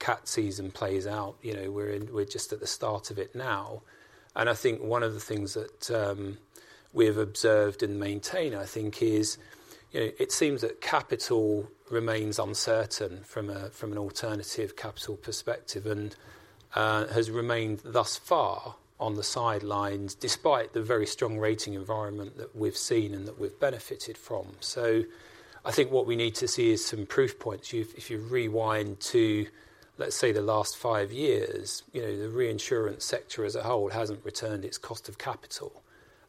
cat season plays out. You know, we're just at the start of it now. I think one of the things that we've observed and maintained, I think is, you know, it seems that capital remains uncertain from an alternative capital perspective, and has remained thus far on the sidelines, despite the very strong rating environment that we've seen and that we've benefited from. I think what we need to see is some proof points. If, if you rewind to, let's say, the last five years, you know, the reinsurance sector as a whole hasn't returned its cost of capital.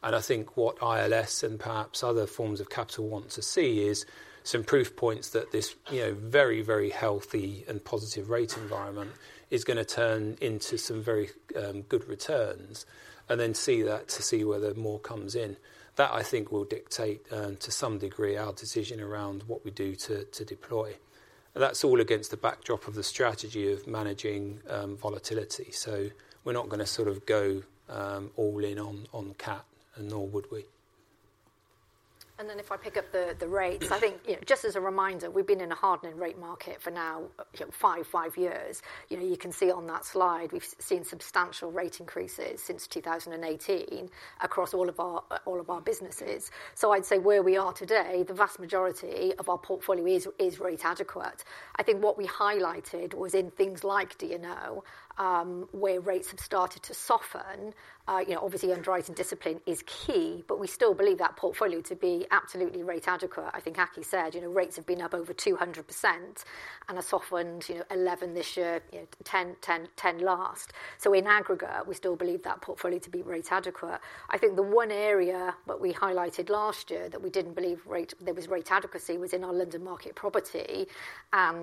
I think what ILS and perhaps other forms of capital want to see is some proof points that this, you know, very, very healthy and positive rate environment is gonna turn into some very good returns, and then see that, to see whether more comes in. That, I think, will dictate to some degree, our decision around what we do to, to deploy. That's all against the backdrop of the strategy of managing volatility. We're not gonna sort of go all in on, on cat, and nor would we. If I pick up the rates. Yeah. I think, you know, just as a reminder, we've been in a hardening rate market for now, you know, 5, 5 years. You know, you can see on that slide, we've seen substantial rate increases since 2018 across all of our, all of our businesses. I'd say where we are today, the vast majority of our portfolio is, is rate adequate. I think what we highlighted was in things like D&O, where rates have started to soften. You know, obviously, underwriting discipline is key, but we still believe that portfolio to be absolutely rate adequate. I think Aki said, you know, rates have been up over 200% and have softened, you know, 11% this year, you know, 10%, 10%, 10% last. In aggregate, we still believe that portfolio to be rate adequate. I think the one area that we highlighted last year that we didn't believe there was rate adequacy, was in our London Market Property.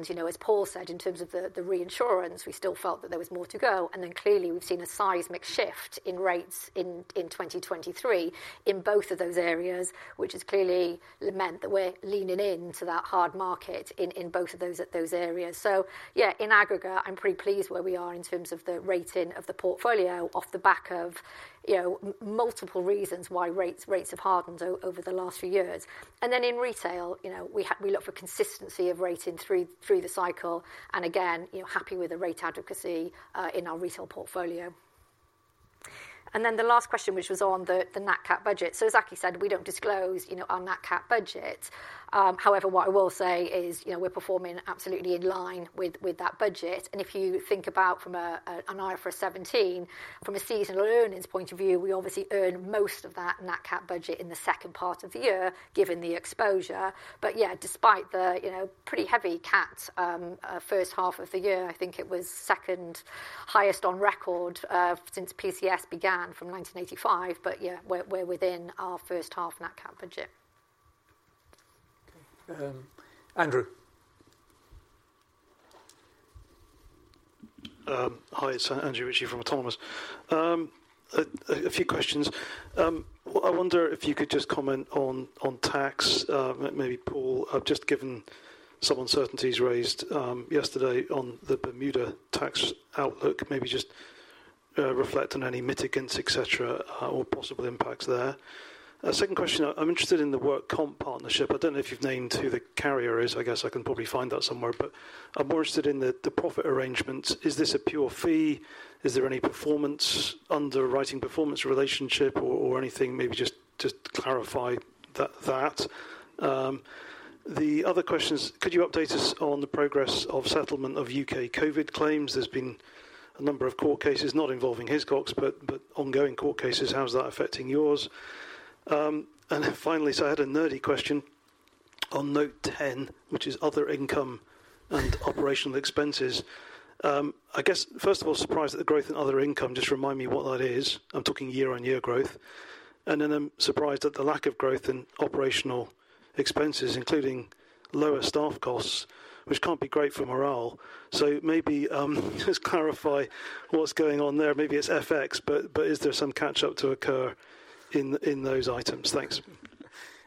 You know, as Paul said, in terms of the, the reinsurance, we still felt that there was more to go. Then clearly, we've seen a seismic shift in rates in, in 2023 in both of those areas, which has clearly meant that we're leaning into that hard market in, in both of those, those areas. Yeah, in aggregate, I'm pretty pleased where we are in terms of the rating of the portfolio off the back of, you know, multiple reasons why rates, rates have hardened over the last few years. In retail, you know, we look for consistency of rating through, through the cycle, and again, you know, happy with the rate adequacy in our retail portfolio. The last question, which was on the nat cat budget. As Aki said, we don't disclose, you know, our nat cat budget. However, what I will say is, you know, we're performing absolutely in line with, with that budget. If you think about from a, a, an IFRS 17, from a seasonal earnings point of view, we obviously earn most of that nat cat budget in the second part of the year, given the exposure. Yeah, despite the, you know, pretty heavy cat, first half of the year, I think it was second highest on record, since PCS began from 1985, but yeah, we're, we're within our first half nat cat budget. Andrew. Hi, it's Andrew Ritchie from Autonomous. A few questions. I wonder if you could just comment on, on tax, maybe Paul, just given some uncertainties raised yesterday on the Bermuda tax outlook, maybe just reflect on any mitigants, et cetera, or possible impacts there. Second question, I'm interested in the work comp partnership. I don't know if you've named who the carrier is. I guess I can probably find that somewhere, but I'm more interested in the, the profit arrangements. Is this a pure fee? Is there any performance, underwriting performance relationship or, or anything? Maybe just to clarify that, that. The other question is, could you update us on the progress of settlement of UK COVID claims? There's been a number of court cases, not involving Hiscox, but, but ongoing court cases. How is that affecting yours? Finally, I had a nerdy question on Note 10, which is other income and operational expenses. I guess, first of all, surprised at the growth in other income. Just remind me what that is. I'm talking year-on-year growth. Then I'm surprised at the lack of growth in operational expenses, including lower staff costs, which can't be great for morale. Maybe just clarify what's going on there. Maybe it's FX, but is there some catch-up to occur in those items? Thanks.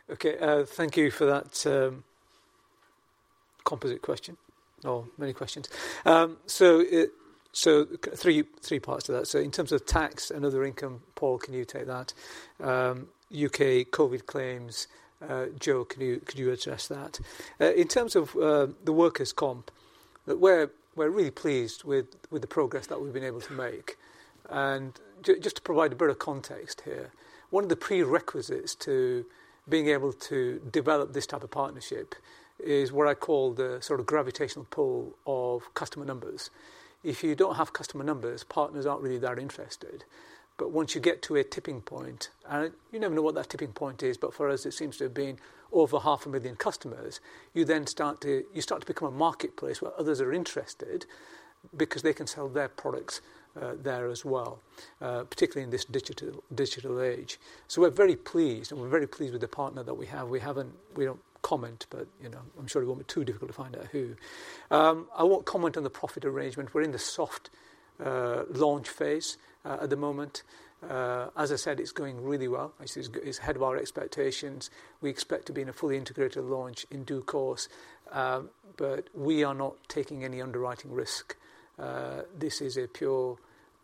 Okay, thank you for that composite question or many questions. So it, so three, three parts to that. In terms of tax and other income, Paul, can you take that? UK COVID claims, Jo, can you- could you address that? In terms of the Workers' Compensation, we're really pleased with the progress that we've been able to make. Just to provide a bit of context here, one of the prerequisites to being able to develop this type of partnership is what I call the sort of gravitational pull of customer numbers. If you don't have customer numbers, partners aren't really that interested. Once you get to a tipping point, and you never know what that tipping point is, but for us, it seems to have been over half a million customers, you then start to... You start to become a marketplace where others are interested because they can sell their products there as well, particularly in this digital, digital age. We're very pleased, and we're very pleased with the partner that we have. We don't comment, but, you know, I'm sure it won't be too difficult to find out who. I won't comment on the profit arrangement. We're in the soft launch phase at the moment. As I said, it's going really well. It's, it's ahead of our expectations. We expect to be in a fully integrated launch in due course, but we are not taking any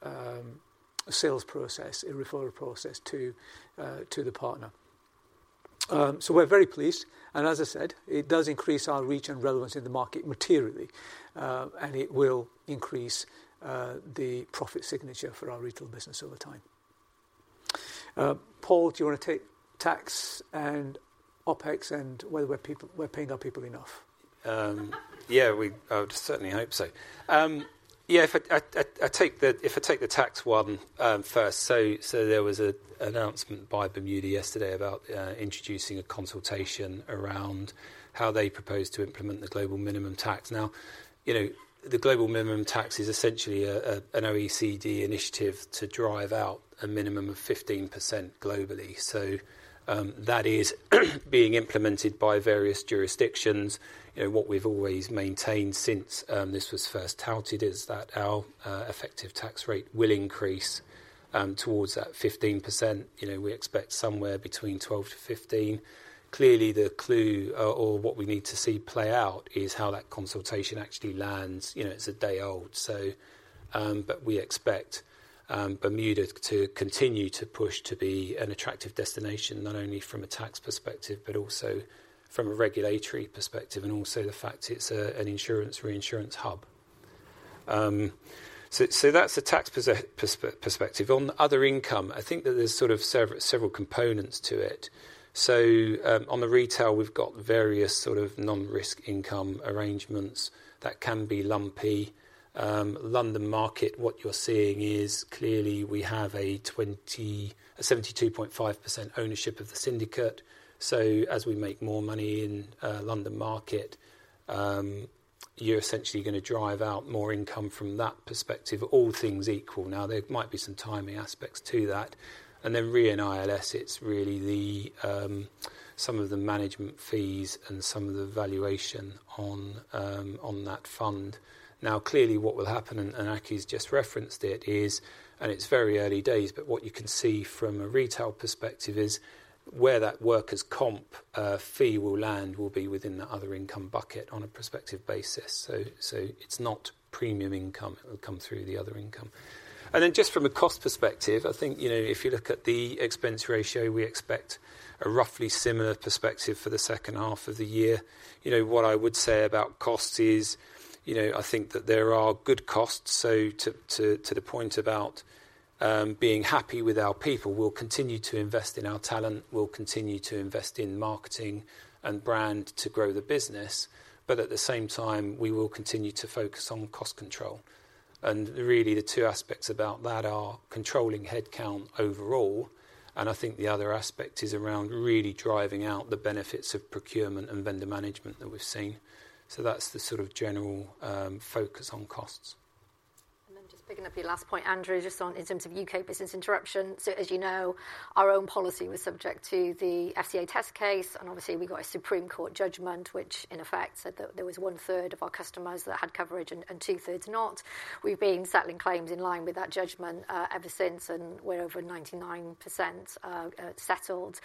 underwriting risk. This is a pure sales process, a referral process to the partner. We're very pleased, and as I said, it does increase our reach and relevance in the market materially. It will increase, the profit signature for our retail business over time. Paul, do you want to take tax and OpEx, and whether we're people, we're paying our people enough? Yeah, we, I would certainly hope so. Yeah, if I take the tax one, first, there was an announcement by Bermuda yesterday about introducing a consultation around how they propose to implement the Global Minimum Tax. Now, you know, the Global Minimum Tax is essentially an OECD initiative to drive out a minimum of 15% globally. That is being implemented by various jurisdictions. You know, what we've always maintained since this was first touted is that our effective tax rate will increase towards that 15%. You know, we expect somewhere between 12%-15%. Clearly, the clue or what we need to see play out is how that consultation actually lands. You know, it's a day old, so, but we expect Bermuda to continue to push to be an attractive destination, not only from a tax perspective, but also from a regulatory perspective, and also the fact it's an insurance, reinsurance hub. That's the tax perspective. On other income, I think that there's sort of several components to it. On the Retail, we've got various sort of non-risk income arrangements that can be lumpy. London Market, what you're seeing is clearly we have a 72.5% ownership of the syndicate. As we make more money in London Market, you're essentially gonna drive out more income from that perspective, all things equal. Now, there might be some timing aspects to that. Then Re & ILS, it's really the, some of the management fees and some of the valuation on that fund. Now, clearly, what will happen, and Aki's just referenced it, is, and it's very early days, but what you can see from a retail perspective is where that Workers' Compensation fee will land, will be within the other income bucket on a prospective basis. So, it's not premium income, it will come through the other income. Then just from a cost perspective, I think, you know, if you look at the expense ratio, we expect a roughly similar perspective for the second half of the year. You know, what I would say about cost is, you know, I think that there are good costs. To the point about being happy with our people, we'll continue to invest in our talent, we'll continue to invest in marketing and brand to grow the business, but at the same time, we will continue to focus on cost control. Really, the two aspects about that are controlling headcount overall, and I think the other aspect is around really driving out the benefits of procurement and vendor management that we've seen. That's the sort of general focus on costs. Picking up your last point, Andrew, on in terms of UK Business Interruption. As you know, our own policy was subject to the FCA test case, and obviously, we got a UK Supreme Court judgment, which in effect said that there was one third of our customers that had coverage and two thirds not. We've been settling claims in line with that judgment ever since, and we're over 99% settled.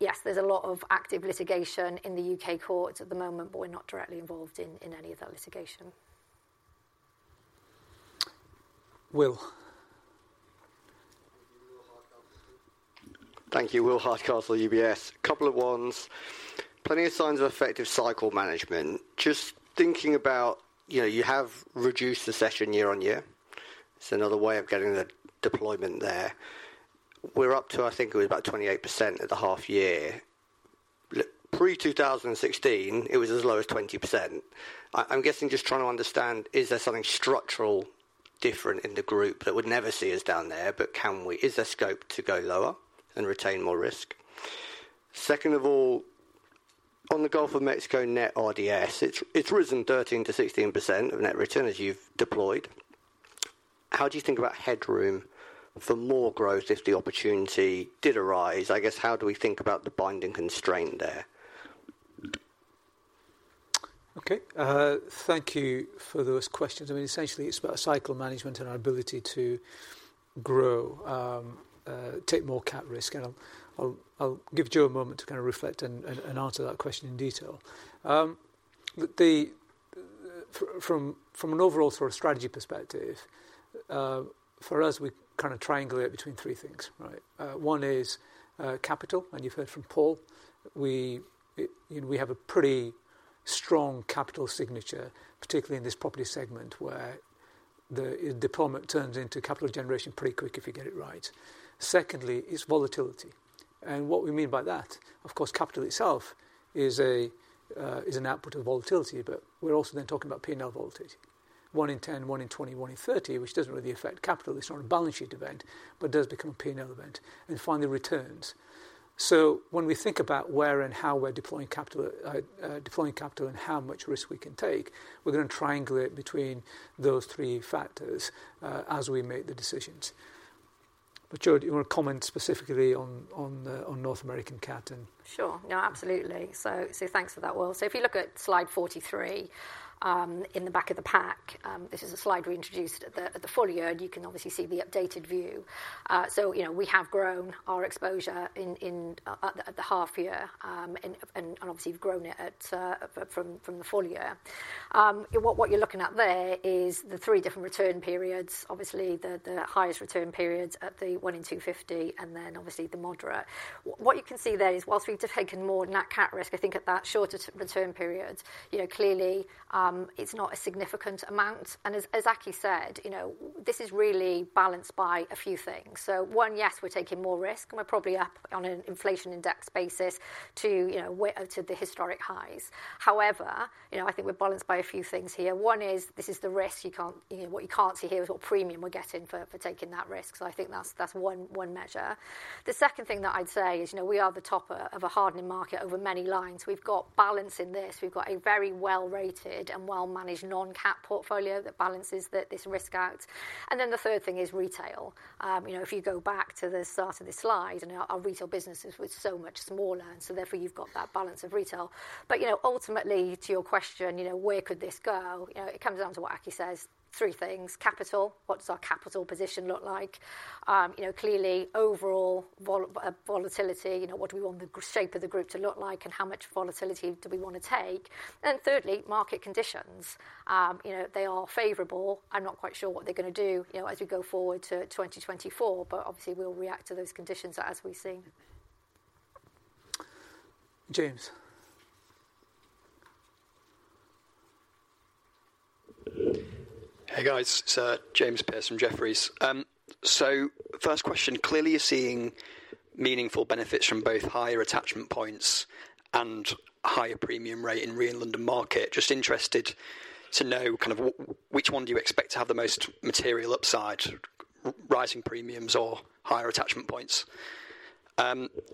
Yes, there's a lot of active litigation in the U.K. courts at the moment, we're not directly involved in any of that litigation. Will? Thank you. William Hardcastle, UBS. A couple of ones. Plenty of signs of effective cycle management. Just thinking about, you know, you have reduced the session year-on-year. It's another way of getting the deployment there. We're up to, I think it was about 28% at the half year. pre-2016, it was as low as 20%. I, I'm guessing, just trying to understand, is there something structural different in the group that would never see us down there, but can we? Is there scope to go lower and retain more risk? Second of all, on the Gulf of Mexico net RDS, it's, it's risen 13%-16% of net return as you've deployed. How do you think about headroom for more growth if the opportunity did arise? I guess, how do we think about the binding constraint there? Okay. Thank you for those questions. I mean, essentially, it's about cycle management and our ability to grow, take more cat risk, and I'll, I'll, I'll give Jo a moment to kind of reflect and, and, and answer that question in detail. From an overall sort of strategy perspective, for us, we kind of triangulate between three things, right? One is capital, and you've heard from Paul. We, you know, we have a pretty strong capital signature, particularly in this property segment, where the deployment turns into capital generation pretty quick if you get it right. Secondly, is volatility, and what we mean by that, of course, capital itself is an output of volatility, but we're also then talking about P&L volatility. 1 in 10, 1 in 20, 1 in 30, which doesn't really affect capital. It's not a balance sheet event, but does become a P&L event, and finally, returns. When we think about where and how we're deploying capital, deploying capital and how much risk we can take, we're gonna triangulate between those three factors as we make the decisions. Jo, do you want to comment specifically on, on the, on North American CAT and- Sure. No, absolutely. Thanks for that, Will. If you look at slide 43, in the back of the pack, this is a slide we introduced at the, at the full year, and you can obviously see the updated view. You know, we have grown our exposure in, in, at the, at the half year, and, and obviously, we've grown it at, from, from the full year. What, what you're looking at there is the three different return periods. Obviously, the, the highest return periods at the 1 in 250 and then obviously the moderate. What you can see there is, whilst we've taken more net cat risk, I think at that shorter return period, you know, clearly, it's not a significant amount, and as Aki said, you know, this is really balanced by a few things. One, yes, we're taking more risk, and we're probably up on an inflation index basis to, you know, way to the historic highs. However, you know, I think we're balanced by a few things here. One is, this is the risk you can't. You know, what you can't see here is what premium we're getting for taking that risk. I think that's one measure. The second thing that I'd say is, you know, we are the top of a hardening market over many lines. We've got balance in this. We've got a very well-rated and well-managed non-cat portfolio that balances this risk out. Then the third thing is retail. You know, if you go back to the start of this slide, our, our retail business was so much smaller, therefore, you've got that balance of retail. You know, ultimately, to your question, you know, where could this go? You know, it comes down to what Aki says, three things: capital. What does our capital position look like? You know, clearly, overall volatility. What do we want the shape of the group to look like and how much volatility do we want to take? Thirdly, market conditions. You know, they are favorable. I'm not quite sure what they're gonna do, you know, as we go forward to 2024. Obviously, we'll react to those conditions as we see. James? Hey, guys, it's James Pearse from Jefferies. First question, clearly, you're seeing meaningful benefits from both higher attachment points and higher premium rate in re and London Market. Just interested to know kind of which one do you expect to have the most material upside, rising premiums or higher attachment points?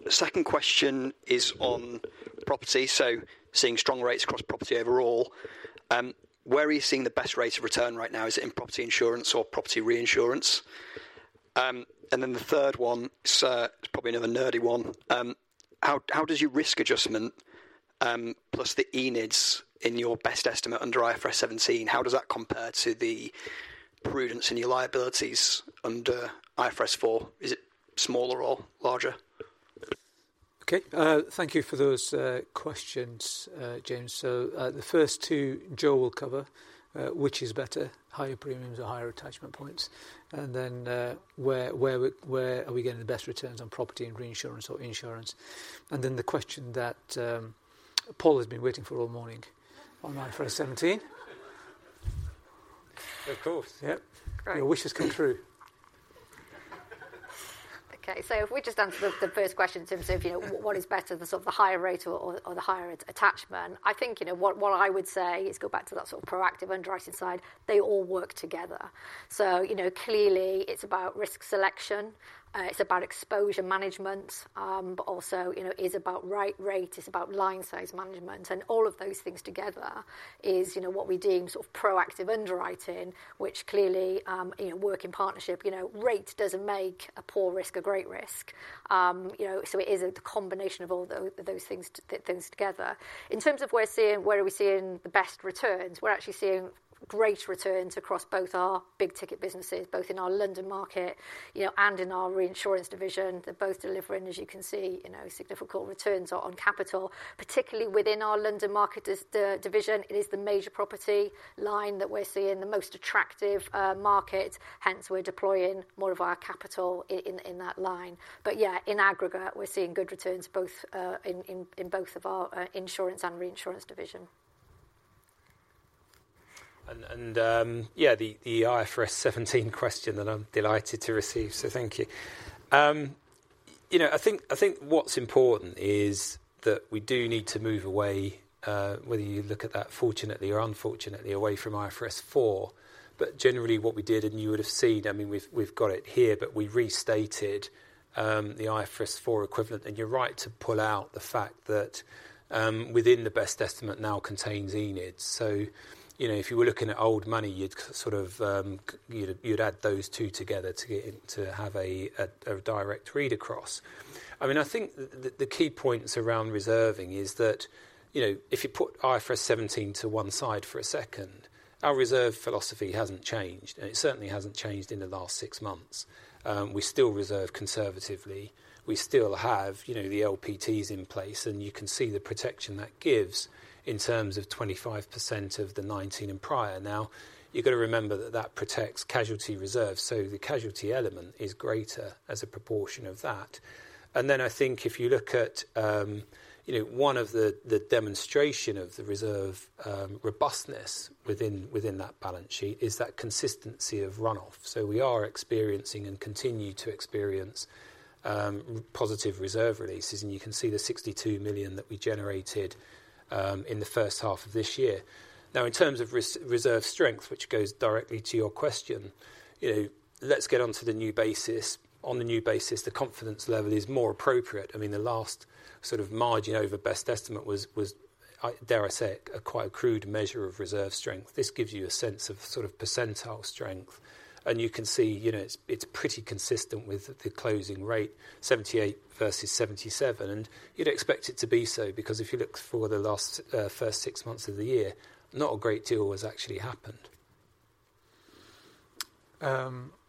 Second question is on property. Seeing strong rates across property overall, where are you seeing the best rates of return right now? Is it in property insurance or property reinsurance? Then the third one, sir, it's probably another nerdy one. How, how does your risk adjustment, plus the ENIDs in your best estimate under IFRS 17, how does that compare to the prudence in your liabilities under IFRS 4? Is it smaller or larger? Okay, thank you for those questions, James. The first two, Jo will cover, which is better, higher premiums or higher attachment points? Then, where are we getting the best returns on property and reinsurance or insurance? Then the question that Paul has been waiting for all morning on IFRS 17. Of course. Yep. Great. Your wish has come true. If we just answer the, the first question in terms of, you know, what is better, the sort of the higher rate or, or, or the higher attachment? I think, you know, what, what I would say is go back to that sort of proactive underwriting side. They all work together. Clearly, you know, it's about risk selection, it's about exposure management, but also, you know, it's about right rate, it's about line size management, and all of those things together is, you know, what we deem sort of proactive underwriting, which clearly, you know, work in partnership. You know, rate doesn't make a poor risk a great risk. You know, it is a combination of all those things together. In terms of we're seeing, where are we seeing the best returns, we're actually seeing great returns across both our big ticket businesses, both in our London Market, you know, and in our Reinsurance division. They're both delivering, as you can see, you know, significant returns on, on capital, particularly within our London Market as the division, it is the Major Property line that we're seeing the most attractive market. Hence, we're deploying more of our capital in, in, in that line. Yeah, in aggregate, we're seeing good returns, both in, in, in both of our insurance and Reinsurance division. Yeah, the IFRS 17 question that I'm delighted to receive, so thank you.... You know, I think, I think what's important is that we do need to move away, whether you look at that fortunately or unfortunately, away from IFRS 4. Generally, what we did, and you would have seen, I mean, we've, we've got it here, but we restated, the IFRS 4 equivalent. You're right to pull out the fact that, within the best estimate now contains ENID. You know, if you were looking at old money, you'd sort of, you'd, you'd add those two together to get in to have a, a direct read across. I mean, I think the, the, the key points around reserving is that, you know, if you put IFRS 17 to one side for a second, our reserve philosophy hasn't changed, and it certainly hasn't changed in the last six months. We still reserve conservatively. We still have, you know, the LPTs in place, and you can see the protection that gives in terms of 25% of the 19 and prior. Now, you've got to remember that that protects casualty reserves, so the casualty element is greater as a proportion of that. Then, I think if you look at, you know, one of the, the demonstration of the reserve robustness within, within that balance sheet is that consistency of run-off. We are experiencing and continue to experience positive reserve releases, and you can see the 62 million that we generated in the 1st half of this year. Now, in terms of reserve strength, which goes directly to your question, you know, let's get onto the new basis. On the new basis, the confidence level is more appropriate. I mean, the last sort of margin over best estimate was, I dare I say, a quite crude measure of reserve strength. This gives you a sense of sort of percentile strength, and you can see, you know, it's, it's pretty consistent with the closing rate, 78 versus 77. You'd expect it to be so, because if you look for the last first 6 months of the year, not a great deal has actually happened.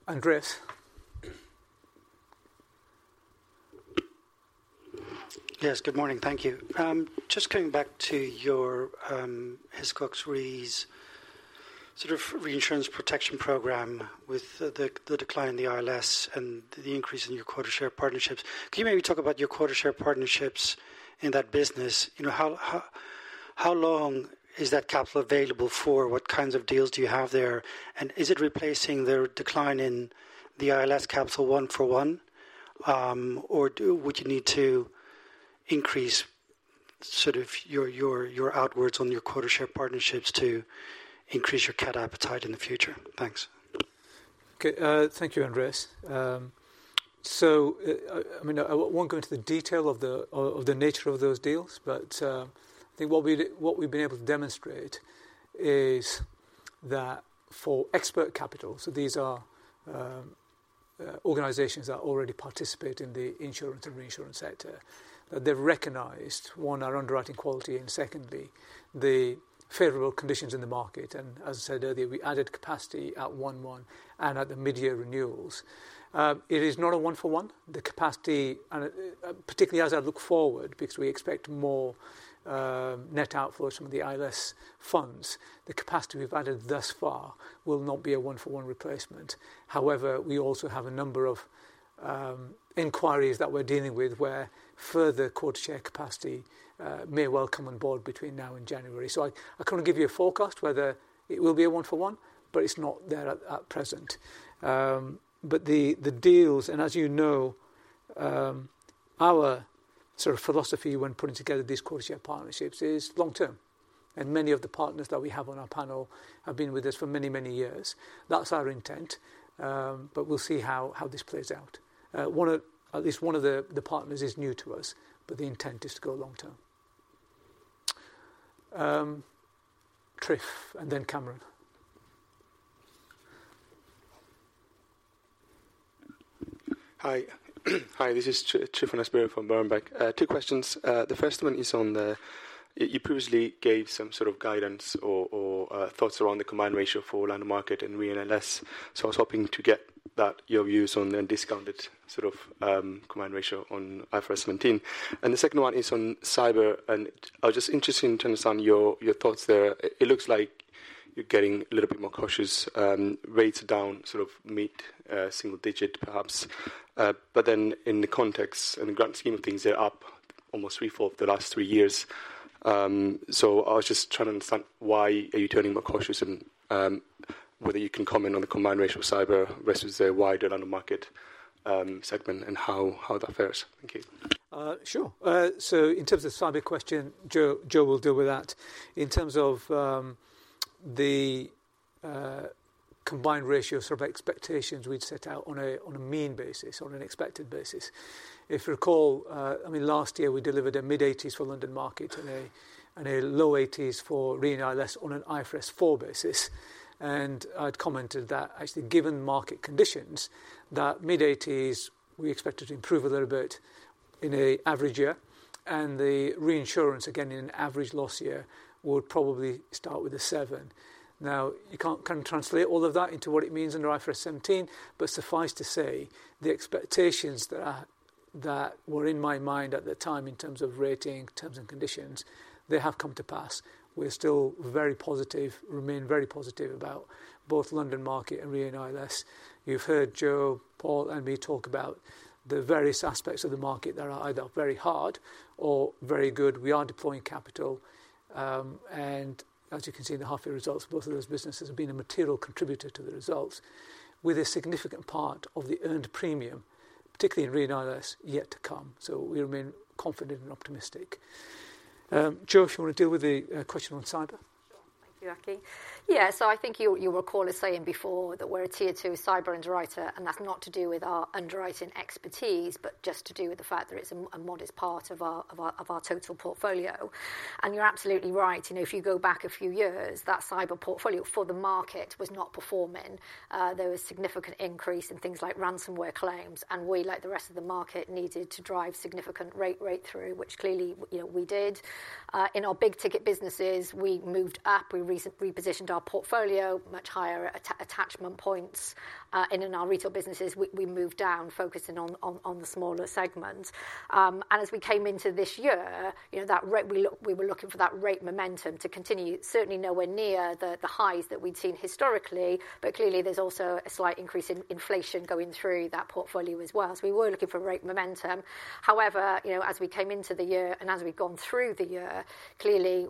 Andreas? Yes, good morning. Thank you. Just coming back to your Hiscox Re's sort of reinsurance protection program with the, the decline in the ILS and the increase in your quota share partnerships. Can you maybe talk about your quota share partnerships in that business? You know, how, how, how long is that capital available for? What kinds of deals do you have there? Is it replacing the decline in the ILS capital one for one? Or would you need to increase sort of your, your, your outwards on your quota share partnerships to increase your cat appetite in the future? Thanks. Okay, thank you, Andreas. I mean, I won't go into the detail of the, of, of the nature of those deals, but I think what we, what we've been able to demonstrate is that for expert capital, so these are organizations that already participate in the insurance and reinsurance sector, that they've recognized, 1, our underwriting quality, and secondly, the favorable conditions in the market. As I said earlier, we added capacity at 1/1 and at the mid-year renewals. It is not a 1-for-1. The capacity, and particularly as I look forward, because we expect more net outflows from the ILS funds, the capacity we've added thus far will not be a 1-for-1 replacement. However, we also have a number of inquiries that we're dealing with, where further quota share capacity may well come on board between now and January. I, I can't give you a forecast whether it will be a one for one, but it's not there at present. The deals, and as you know, our sort of philosophy when putting together these quota share partnerships is long term, and many of the partners that we have on our panel have been with us for many, many years. That's our intent, we'll see how this plays out. At least one of the partners is new to us, the intent is to go long term. Tryf, then Cameron. Hi. Hi, this is Tryfonas Spyrou from Berenberg. Two questions. The first one is on the-- you previously gave some sort of guidance or thoughts around the combined ratio for London Market and Re & ILS. I was hoping to get that, your views on the discounted sort of combined ratio on IFRS 17. The second one is on Cyber, and I was just interested in terms on your thoughts there. It looks like you're getting a little bit more cautious, rates are down, sort of mid-single digit, perhaps. In the context, in the grand scheme of things, they're up almost three-fourths the last three years. I was just trying to understand why are you turning more cautious and whether you can comment on the combined ratio of Cyber versus the wider London Market segment and how, how that fares? Thank you. Sure. In terms of cyber question, Jo, Jo will deal with that. In terms of the combined ratio sort of expectations we'd set out on a mean basis, on an expected basis. If you recall, I mean, last year we delivered a mid-80s for London Market and a low 80s for Re & ILS on an IFRS 4 basis. I'd commented that actually, given market conditions, that mid-80s, we expected to improve a little bit in an average year, and the reinsurance, again, in an average loss year, would probably start with a 7. Now, you can't translate all of that into what it means under IFRS 17, but suffice to say, the expectations that were in my mind at the time, in terms of rating, terms and conditions, they have come to pass. We're still very positive, remain very positive about both London Market and Re & ILS. You've heard Jo, Paul, and me talk about the various aspects of the market that are either very hard or very good. We are deploying capital, and as you can see in the half-year results, both of those businesses have been a material contributor to the results. With a significant part of the earned premium, particularly in Re & ILS, yet to come. We remain confident and optimistic. Jo, if you want to deal with the question on Cyber? Sure. Thank you, Aki. Yeah, I think you, you recall us saying before that we're a tier two Cyber underwriter, that's not to do with our underwriting expertise, but just to do with the fact that it's a, a modest part of our, of our, of our total portfolio. You're absolutely right. You know, if you go back a few years, that Cyber portfolio for the market was not performing. There was significant increase in things like ransomware claims, we, like the rest of the market, needed to drive significant rate, rate through, which clearly, you know, we did. In our big ticket businesses, we moved up, we repositioned our portfolio, much higher attachment points. In our retail businesses, we, we moved down, focusing on, on, on the smaller segments. And as we came into this year, you know, that rate we were looking for that rate momentum to continue. Certainly nowhere near the, the highs that we'd seen historically, but clearly, there's also a slight increase in inflation going through that portfolio as well. So we were looking for rate momentum. However, you know, as we came into the year, and as we've gone through the year, clearly,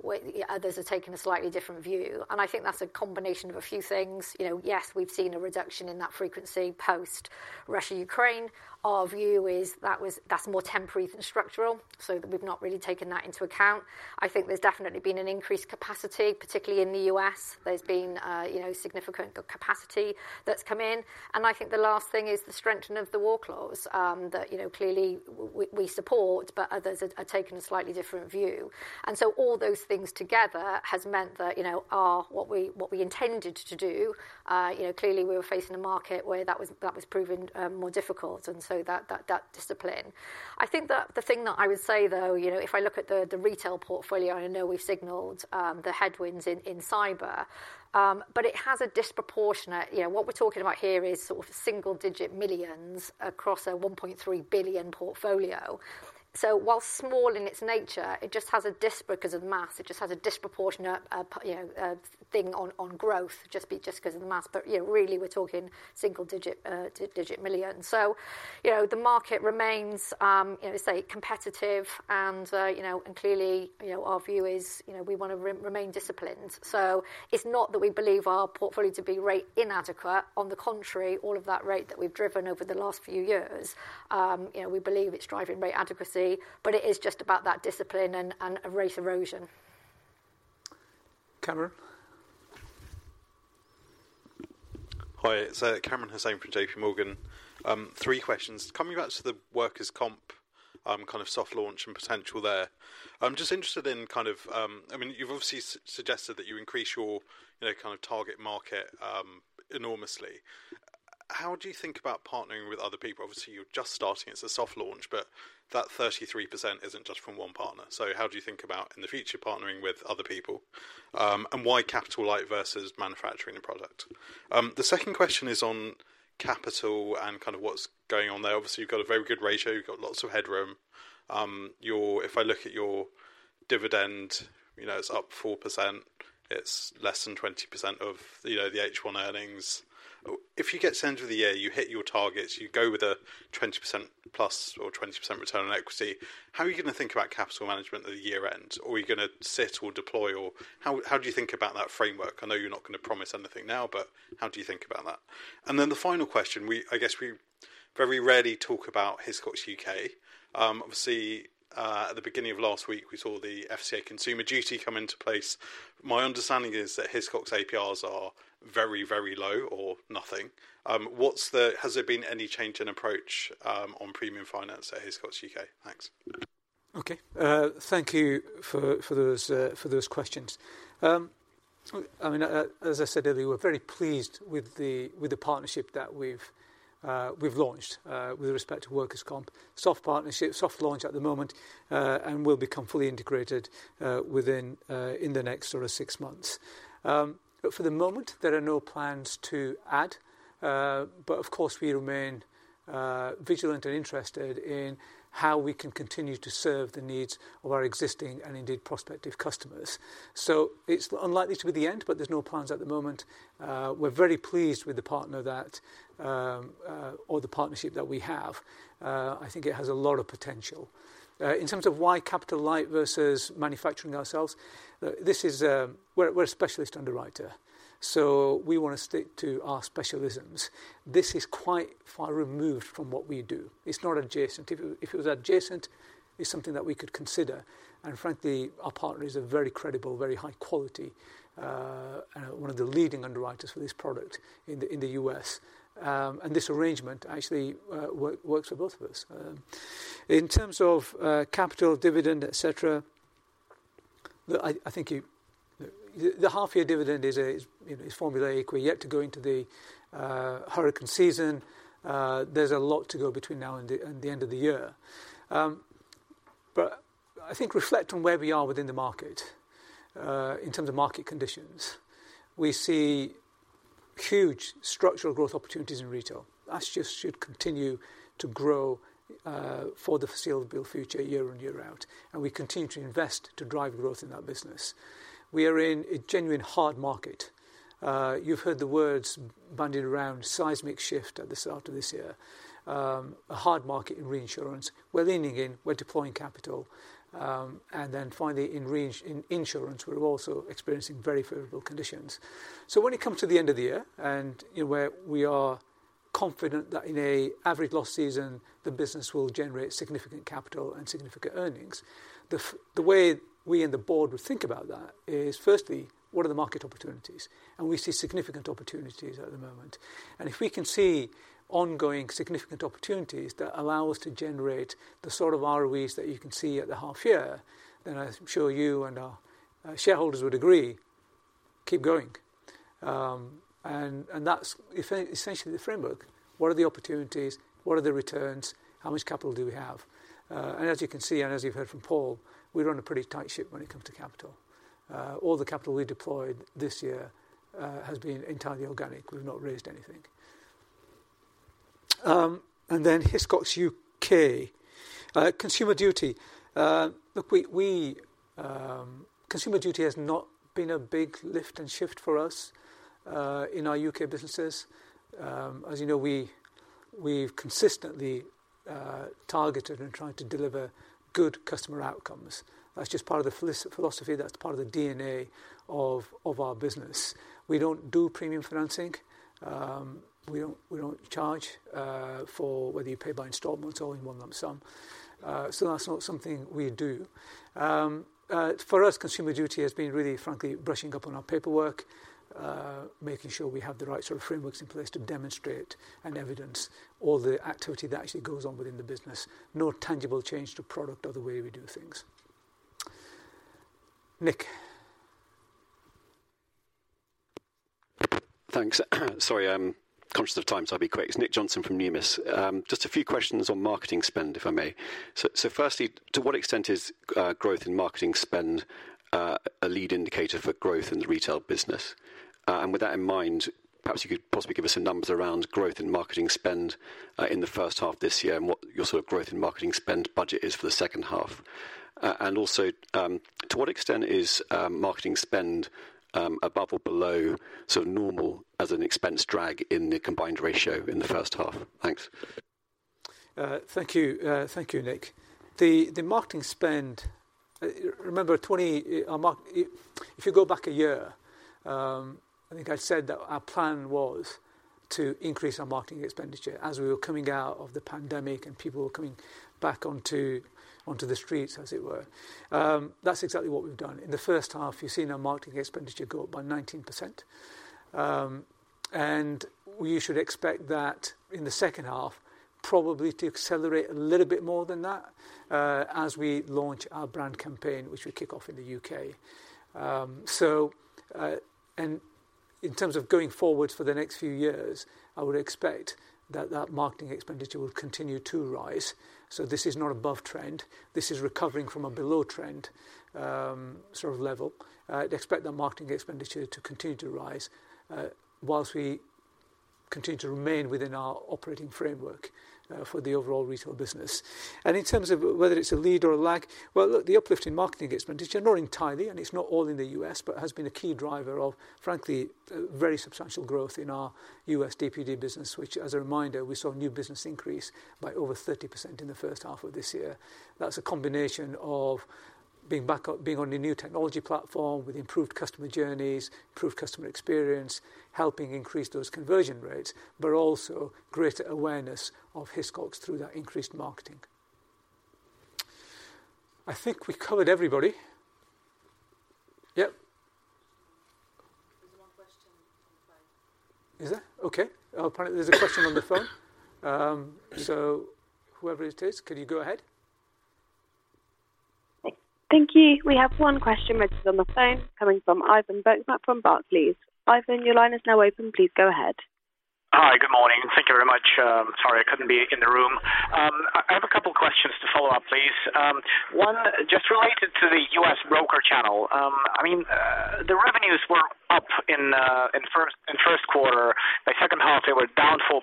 others have taken a slightly different view, and I think that's a combination of a few things. You know, yes, we've seen a reduction in that frequency post Russia, Ukraine. Our view is that was. That's more temporary than structural, so that we've not really taken that into account. I think there's definitely been an increased capacity, particularly in the US. There's been, you know, significant capacity that's come in. I think the last thing is the strengthening of the war clause, that, you know, clearly we, we support, but others have, have taken a slightly different view. All those things together has meant that, you know, our, what we, what we intended to do, you know, clearly, we were facing a market where that was, that was proven, more difficult, and so that, that, that discipline. I think that the thing that I would say, though, you know, if I look at the, the retail portfolio, I know we've signaled, the headwinds in, in Cyber, but it has a disproportionate. You know, what we're talking about here is sort of single-digit millions across a 1.3 billion portfolio. While small in its nature, it just has a because of the math, it just has a disproportionate, you know, thing on, on growth, just because of the math. You know, really, we're talking single digit millions. You know, the market remains, you know, say, competitive, and, you know, and clearly, you know, our view is, you know, we want to remain disciplined. It's not that we believe our portfolio to be rate inadequate. On the contrary, all of that rate that we've driven over the last few years, you know, we believe it's driving rate adequacy, but it is just about that discipline and, and rate erosion. Cameron? Hi, it's Kamran Hossain from J.P. Morgan. 3 questions. Coming back to the Workers' Compensation, kind of soft launch and potential there. I'm just interested in kind of, I mean, you've obviously s- suggested that you increase your, you know, kind of target market, enormously. How do you think about partnering with other people? Obviously, you're just starting. It's a soft launch, but that 33% isn't just from one partner. How do you think about, in the future, partnering with other people? Why capital light versus manufacturing the product? The second question is on capital and kind of what's going on there. Obviously, you've got a very good ratio, you've got lots of headroom. Your-- if I look at your dividend, you know, it's up 4%, it's less than 20% of, you know, the H1 earnings. If you get to the end of the year, you hit your targets, you go with a 20% plus or 20% return on equity, how are you going to think about capital management at the year-end? Are you going to sit or deploy or how, how do you think about that framework? I know you're not going to promise anything now, but how do you think about that? Then the final question, I guess we very rarely talk about Hiscox UK. Obviously, at the beginning of last week, we saw the FCA Consumer Duty come into place. My understanding is that Hiscox APRs are very, very low or nothing. Has there been any change in approach, on premium finance at Hiscox UK? Thanks. Okay. Thank you for, for those, for those questions. I mean, as I said earlier, we're very pleased with the, with the partnership that we've, we've launched, with respect to Workers' Compensation. Soft partnership, soft launch at the moment, and will become fully integrated within the next sort of six months. For the moment, there are no plans to add, but of course, we remain, vigilant and interested in how we can continue to serve the needs of our existing and indeed prospective customers. It's unlikely to be the end, but there's no plans at the moment. We're very pleased with the partner that, or the partnership that we have. I think it has a lot of potential. In terms of why capital light versus manufacturing ourselves, we're a specialist underwriter, so we want to stick to our specialisms. This is quite far removed from what we do. It's not adjacent. If it was adjacent, it's something that we could consider, and frankly, our partner is a very credible, very high quality, one of the leading underwriters for this product in the US. This arrangement actually works for both of us. In terms of capital, dividend, et cetera, the half year dividend is, you know, formulaic. We're yet to go into the hurricane season. There's a lot to go between now and the end of the year. I think reflect on where we are within the market, in terms of market conditions. We see huge structural growth opportunities in retail. That just should continue to grow for the foreseeable future, year in and year out, we continue to invest to drive growth in that business. We are in a genuine hard market. You've heard the words bandied around, seismic shift at the start of this year. A hard market in reinsurance. We're leaning in, we're deploying capital, then finally, in insurance, we're also experiencing very favorable conditions. When you come to the end of the year, and you know, where we are confident that in a average loss season, the business will generate significant capital and significant earnings. The way we and the board would think about that is, firstly, what are the market opportunities? We see significant opportunities at the moment. If we can see ongoing significant opportunities that allow us to generate the sort of ROEs that you can see at the half year, then I'm sure you and our shareholders would agree, keep going. That's essentially the framework. What are the opportunities? What are the returns? How much capital do we have? As you can see, and as you've heard from Paul, we run a pretty tight ship when it comes to capital. All the capital we deployed this year has been entirely organic. We've not raised anything. Then Hiscox UK. Consumer Duty. We, we, Consumer Duty has not been a big lift and shift for us in our UK businesses. As you know, we, we've consistently targeted and tried to deliver good customer outcomes. That's just part of the philosophy, that's part of the DNA of our business. We don't do premium financing. We don't, we don't charge for whether you pay by installments or in one lump sum. That's not something we do. For us, Consumer Duty has been really, frankly, brushing up on our paperwork, making sure we have the right sort of frameworks in place to demonstrate and evidence all the activity that actually goes on within the business. No tangible change to product or the way we do things. Nick? Thanks. Sorry, conscious of time, so I'll be quick. It's Nicholas Johnson from Numis. Just a few questions on marketing spend, if I may. Firstly, to what extent is growth in marketing spend a lead indicator for growth in the retail business? With that in mind, perhaps you could possibly give us some numbers around growth in marketing spend in the first half of this year, and what your sort of growth in marketing spend budget is for the second half? Also, to what extent is marketing spend above or below, so normal as an expense drag in the combined ratio in the first half? Thanks. Thank you. Thank you, Nick. The marketing spend, remember, if you go back a year, I think I said that our plan was to increase our marketing expenditure as we were coming out of the pandemic and people were coming back onto, onto the streets, as it were. That's exactly what we've done. In the first half, you've seen our marketing expenditure go up by 19%. You should expect that in the second half, probably to accelerate a little bit more than that, as we launch our brand campaign, which we kick off in the UK. In terms of going forward for the next few years, I would expect that that marketing expenditure will continue to rise. This is not above trend. This is recovering from a below trend, sort of level. I'd expect that marketing expenditure to continue to rise, whilst we continue to remain within our operating framework, for the overall retail business. In terms of whether it's a lead or a lag, well, look, the uplift in marketing expenditure, not entirely, and it's not all in the US, but has been a key driver of, frankly, very substantial growth in our US DPD business, which, as a reminder, we saw new business increase by over 30% in the first half of this year. That's a combination of being back up, being on a new technology platform with improved customer journeys, improved customer experience, helping increase those conversion rates, but also greater awareness of Hiscox through that increased marketing. I think we covered everybody. Yep? There's one question on the phone. Is there? Okay. Apparently, there's a question on the phone. Whoever it is, could you go ahead? Thank you. We have one question which is on the phone, coming from Ivan Bokhmat from Barclays. Ivan, your line is now open. Please go ahead. Hi, good morning. Thank you very much. Sorry I couldn't be in the room. I, I have a couple questions to follow up, please. One, just related to the US broker channel. I mean, the revenues were up in first, in first quarter. By second half, they were down 4%.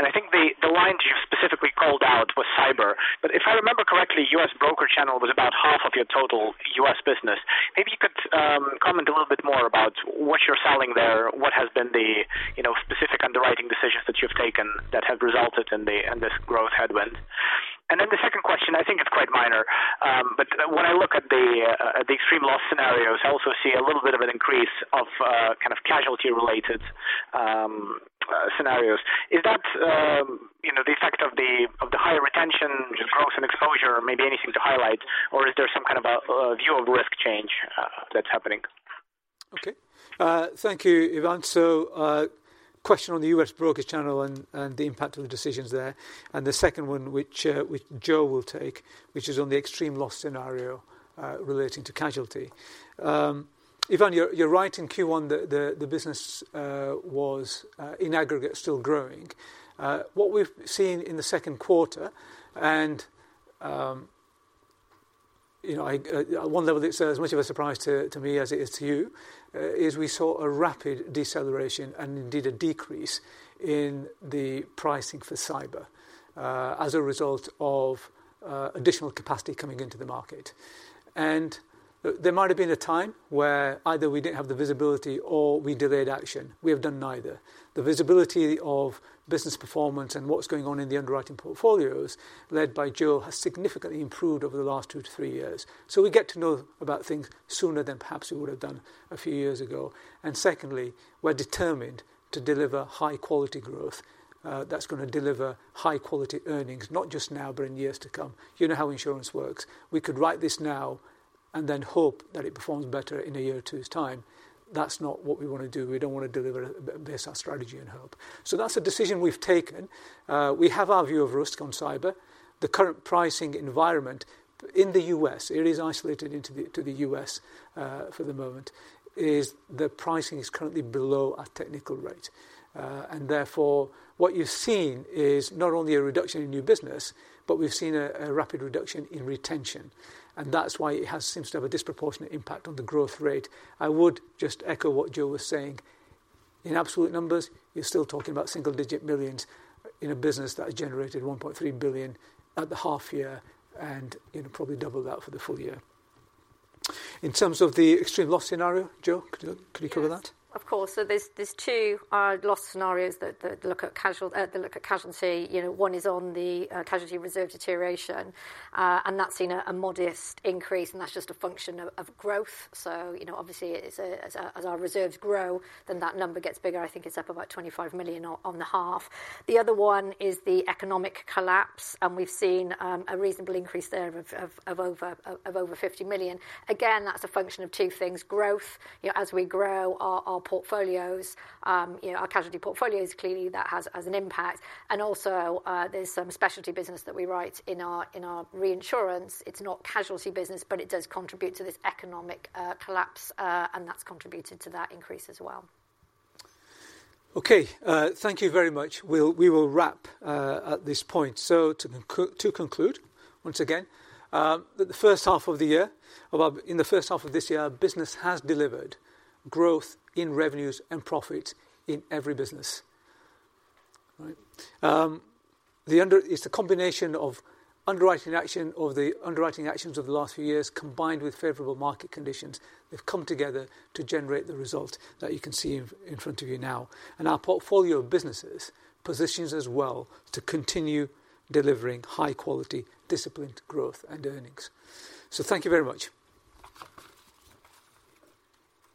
I think the, the line you specifically called out was Cyber. If I remember correctly, US broker channel was about half of your total US business. Maybe you could comment a little bit more about what you're selling there, what has been the, you know, specific underwriting decisions that you've taken that have resulted in the, in this growth headwind. The second question, I think it's quite minor, but when I look at the at the extreme loss scenarios, I also see a little bit of an increase of kind of casualty-related scenarios. Is that, you know, the effect of the of the higher retention, growth and exposure, or maybe anything to highlight, or is there some kind of a View of Risk change that's happening? Okay. Thank you, Ivan. Question on the US broker channel and, and the impact of the decisions there. The second one, which Jo will take, which is on the extreme loss scenario relating to casualty. Ivan, you're, you're right, in Q1, the, the, the business was in aggregate, still growing. What we've seen in the second quarter, and, you know, I, at one level, it's as much of a surprise to, to me as it is to you, is we saw a rapid deceleration and indeed a decrease in the pricing for Cyber as a result of additional capacity coming into the market. There might have been a time where either we didn't have the visibility or we delayed action. We have done neither. The visibility of business performance and what's going on in the underwriting portfolios, led by Jo, has significantly improved over the last 2 to 3 years. We get to know about things sooner than perhaps we would have done a few years ago. Secondly, we're determined to deliver high quality growth, that's gonna deliver high quality earnings, not just now, but in years to come. You know how insurance works. We could write this now and then hope that it performs better in a year or 2's time. That's not what we wanna do. We don't wanna base our strategy on hope. That's a decision we've taken. We have our view of risk on cyber. The current pricing environment in the US, it is isolated into the US, for the moment, is the pricing is currently below our technical rate. Therefore, what you're seeing is not only a reduction in new business, but we've seen a, a rapid reduction in retention, and that's why it has seems to have a disproportionate impact on the growth rate. I would just echo what Jo was saying. In absolute numbers, you're still talking about single digit millions in a business that has generated 1.3 billion at the half year, and, you know, probably double that for the full year. In terms of the extreme loss scenario, Jo, could you, could you cover that? Of course. There's, there's two loss scenarios that look at casualty. You know, one is on the Casualty Reserve Deterioration, and that's seen a modest increase, and that's just a function of growth. You know, obviously, as our reserves grow, then that number gets bigger. I think it's up about 25 million on the half. The other one is the Economic Collapse, and we've seen a reasonable increase there of over 50 million. Again, that's a function of two things: growth. You know, as we grow our portfolios, you know, our casualty portfolios, clearly, that has an impact. Also, there's some specialty business that we write in our reinsurance. It's not casualty business, but it does contribute to this Economic Collapse, and that's contributed to that increase as well. Okay, thank you very much. We will wrap at this point. To conclude, once again, the first half of the year, about in the first half of this year, our business has delivered growth in revenues and profit in every business. All right? It's the combination of underwriting action or the underwriting actions of the last few years, combined with favorable market conditions, have come together to generate the result that you can see in, in front of you now. Our portfolio of businesses positions us well to continue delivering high quality, disciplined growth and earnings. Thank you very much!